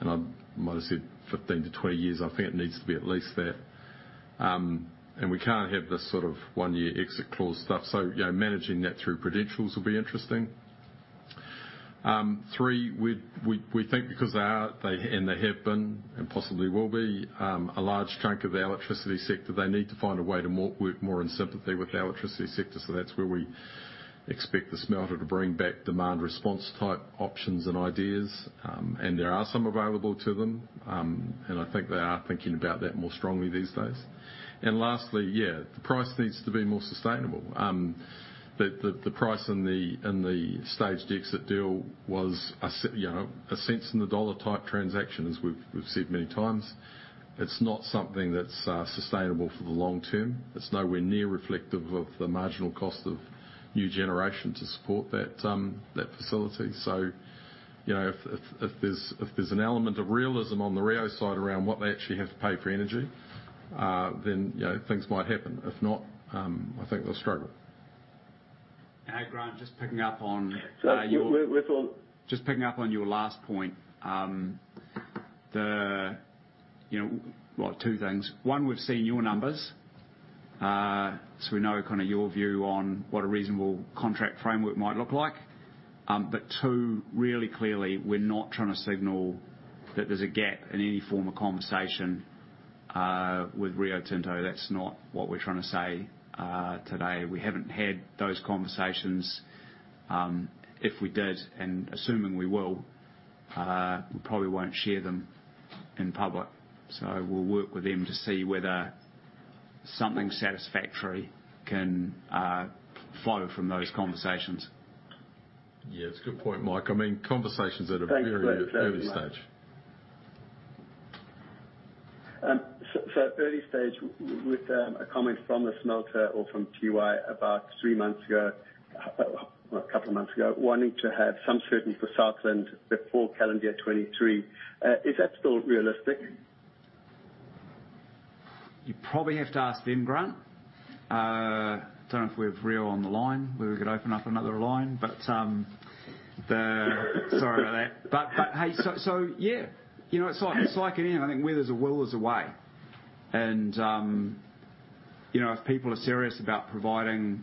Speaker 1: and I might have said 15 to 20 years, I think it needs to be at least that. We can't have this sort of one-year exit clause stuff. You know, managing that through Prudential will be interesting. Three, we think because they are and they have been, and possibly will be, a large chunk of the electricity sector, they need to find a way to work more in sympathy with the electricity sector. That's where we expect the smelter to bring back demand response type options and ideas. There are some available to them. I think they are thinking about that more strongly these days. Lastly, yeah, the price needs to be more sustainable. The price in the staged exit deal was a cents in the dollar type transaction, as we've said many times. It's not something that's sustainable for the long term. It's nowhere near reflective of the marginal cost of new generation to support that facility. You know, if there's an element of realism on the Rio side around what they actually have to pay for energy, then, you know, things might happen. If not, I think they'll struggle.
Speaker 2: Grant, just picking up on your-
Speaker 7: We're-
Speaker 2: ...just picking up on your last point. Two things. One, we've seen your numbers, so we know kinda your view on what a reasonable contract framework might look like. Two, really clearly, we're not trying to signal that there's a gap in any form of conversation with Rio Tinto. That's not what we're trying to say, today. We haven't had those conversations. If we did, and assuming we will, we probably won't share them in public. We'll work with them to see whether something satisfactory can flow from those conversations.
Speaker 1: Yeah, that's a good point, Mike. I mean, conversations at a very early stage.
Speaker 7: Thanks for that clarity, Mike. Early stage with a comment from the smelter or from Tiwai about a couple of months ago, wanting to have some certainty for Southland before 2023. Is that still realistic?
Speaker 2: You probably have to ask them, Grant. Don't know if we have Rio on the line, whether we could open up another line. Hey, yeah, you know, it's like any. I think where there's a will, there's a way. You know, if people are serious about providing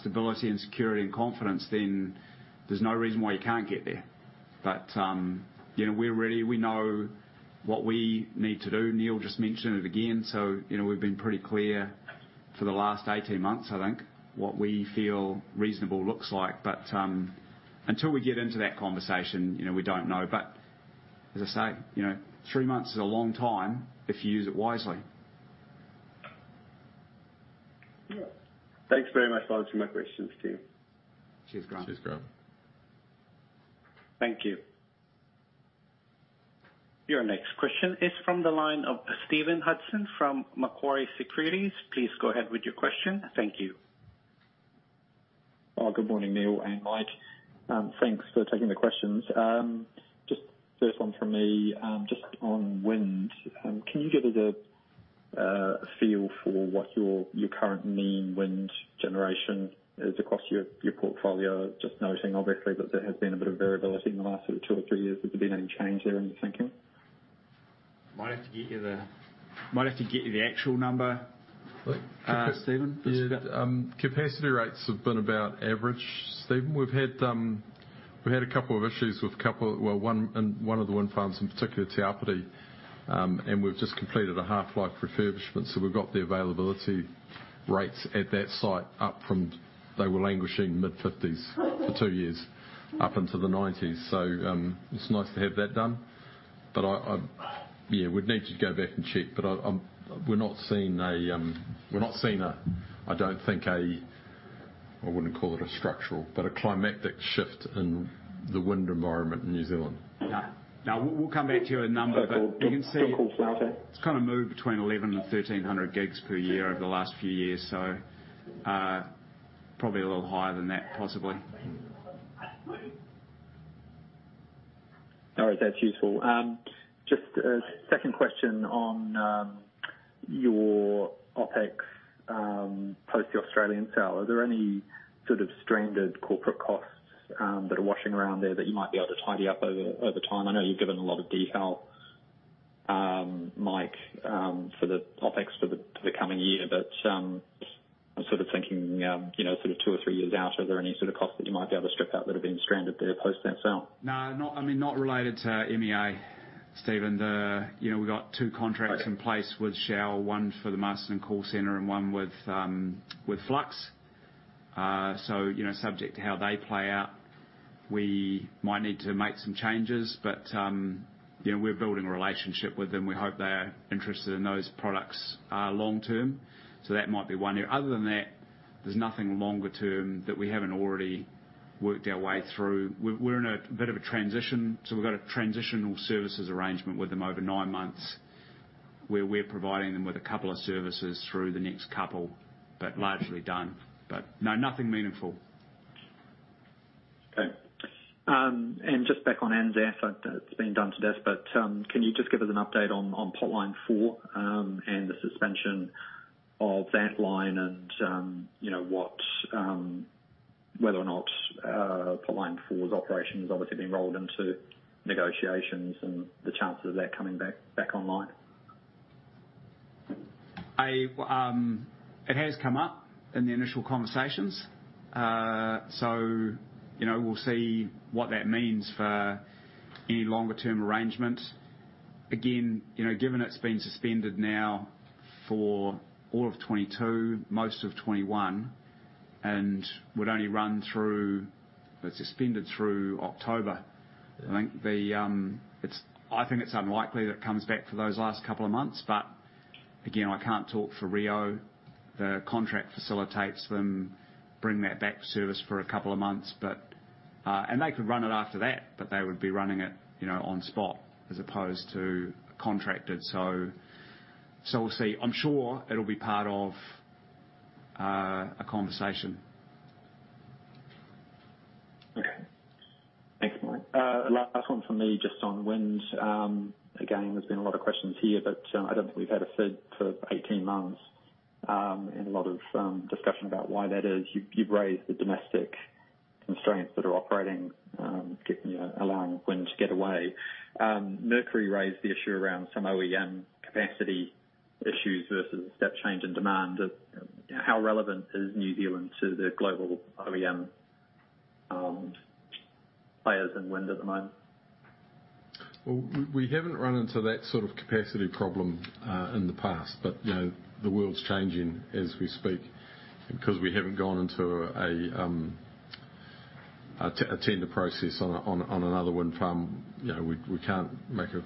Speaker 2: stability and security and confidence, then there's no reason why you can't get there. You know, we're ready. We know what we need to do. Neal just mentioned it again. You know, we've been pretty clear for the last 18 months, I think, what we feel reasonable looks like. Until we get into that conversation, you know, we don't know. As I say, you know, three months is a long time if you use it wisely.
Speaker 7: Yeah. Thanks very much for answering my questions, team.
Speaker 2: Cheers, Grant.
Speaker 1: Cheers, Grant.
Speaker 6: Thank you. Your next question is from the line of Stephen Hudson from Macquarie Securities. Please go ahead with your question. Thank you.
Speaker 8: Oh, good morning, Neal and Mike. Thanks for taking the questions. Just first one from me, just on wind. Can you give us a feel for what your current mean wind generation is across your portfolio? Just noting obviously that there has been a bit of variability in the last sort of two or three years. Has there been any change there in your thinking?
Speaker 2: Might have to get you the actual number, Stephen.
Speaker 1: Yeah. Capacity rates have been about average, Stephen. We've had a couple of issues with one of the wind farms in particular, Te Āpiti, and we've just completed a half-life refurbishment, so we've got the availability rates at that site up from the mid-50s, they were languishing in the mid-50s for two years, up into the 90s. So, it's nice to have that done. But yeah, we'd need to go back and check, but we're not seeing, I don't think, I wouldn't call it a structural, but a climatic shift in the wind environment in New Zealand.
Speaker 2: No, we'll come back to you with a number, but you can see-
Speaker 8: Okay. No, of course. No, sure.
Speaker 2: It's kinda moved between 1,100 gigs and 1,300 gigs per year over the last few years. Probably a little higher than that, possibly.
Speaker 8: All right. That's useful. Just a second question on your OpEx post the Australian sale. Are there any sort of stranded corporate costs that are washing around there that you might be able to tidy up over time? I know you've given a lot of detail, Mike, for the OpEx for the coming year. I'm sort of thinking, you know, sort of two or three years out, are there any sort of costs that you might be able to strip out that have been stranded there post that sale?
Speaker 2: No, I mean, not related to MEA, Stephen. You know, we've got two contracts-
Speaker 8: Okay.
Speaker 2: ...in place with Shell, one for the Marsden Call Center and one with Flux. So, you know, subject to how they play out, we might need to make some changes, but you know, we're building a relationship with them. We hope they're interested in those products long term, so that might be one year. Other than that, there's nothing longer term that we haven't already worked our way through. We're in a bit of a transition, so we've got a transitional services arrangement with them over nine months, where we're providing them with a couple of services through the next couple, but largely done. No, nothing meaningful.
Speaker 8: Just back on NZAS, it's been done to death, but can you just give us an update on potline four and the suspension of that line and you know what whether or not potline four's operation is obviously being rolled into negotiations and the chances of that coming back online?
Speaker 2: It has come up in the initial conversations. So, you know, we'll see what that means for any longer-term arrangement. Again, you know, given it's been suspended now for all of 2022, most of 2021, and would only run through. It's suspended through October. I think it's unlikely that it comes back for those last couple of months. Again, I can't talk for Rio. The contract facilitates them bring that back to service for a couple of months, but. They could run it after that, but they would be running it, you know, on spot as opposed to contracted. We'll see. I'm sure it'll be part of a conversation.
Speaker 8: Okay. Thanks, Mike. Last one for me, just on wind. Again, there's been a lot of questions here, but I don't think we've had a third for 18 months, and a lot of discussion about why that is. You've raised the domestic constraints that are operating, getting allowing wind to get away. Mercury raised the issue around some OEM capacity issues versus step change in demand. How relevant is New Zealand to the global OEM players in wind at the moment?
Speaker 1: Well, we haven't run into that sort of capacity problem in the past. You know, the world's changing as we speak. Because we haven't gone into a tender process on another wind farm, you know, we can't make a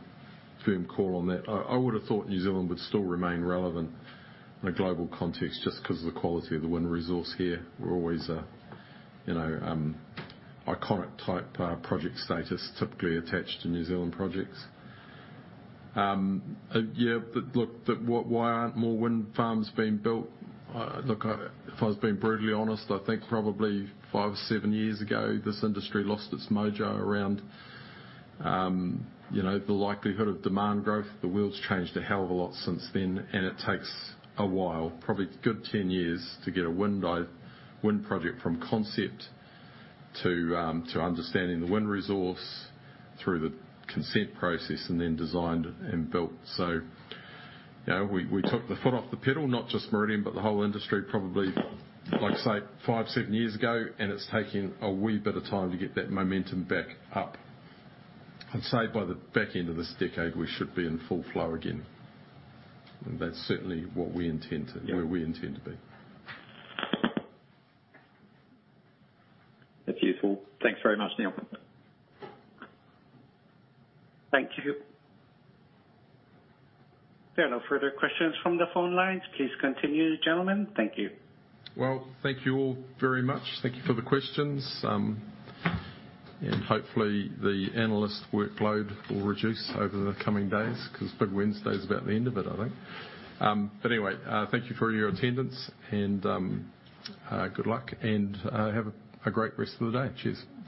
Speaker 1: firm call on that. I would have thought New Zealand would still remain relevant in a global context just 'cause of the quality of the wind resource here. We're always a, you know, iconic type project status typically attached to New Zealand projects. Look, why aren't more wind farms being built? Look, if I was being brutally honest, I think probably five to seven years ago, this industry lost its mojo around, you know, the likelihood of demand growth. The world's changed a hell of a lot since then, and it takes a while, probably a good 10 years, to get a wind project from concept to understanding the wind resource through the consent process and then designed and built. You know, we took the foot off the pedal, not just Meridian, but the whole industry probably, like I say, five, seven years ago, and it's taking a wee bit of time to get that momentum back up. I'd say by the back end of this decade, we should be in full flow again. That's certainly where we intend to be.
Speaker 8: That's useful. Thanks very much, Neal.
Speaker 6: Thank you. There are no further questions from the phone lines. Please continue, gentlemen. Thank you.
Speaker 1: Well, thank you all very much. Thank you for the questions. Hopefully, the analyst workload will reduce over the coming days 'cause big Wednesday is about the end of it, I think. Anyway, thank you for your attendance and good luck and have a great rest of the day. Cheers. Bye.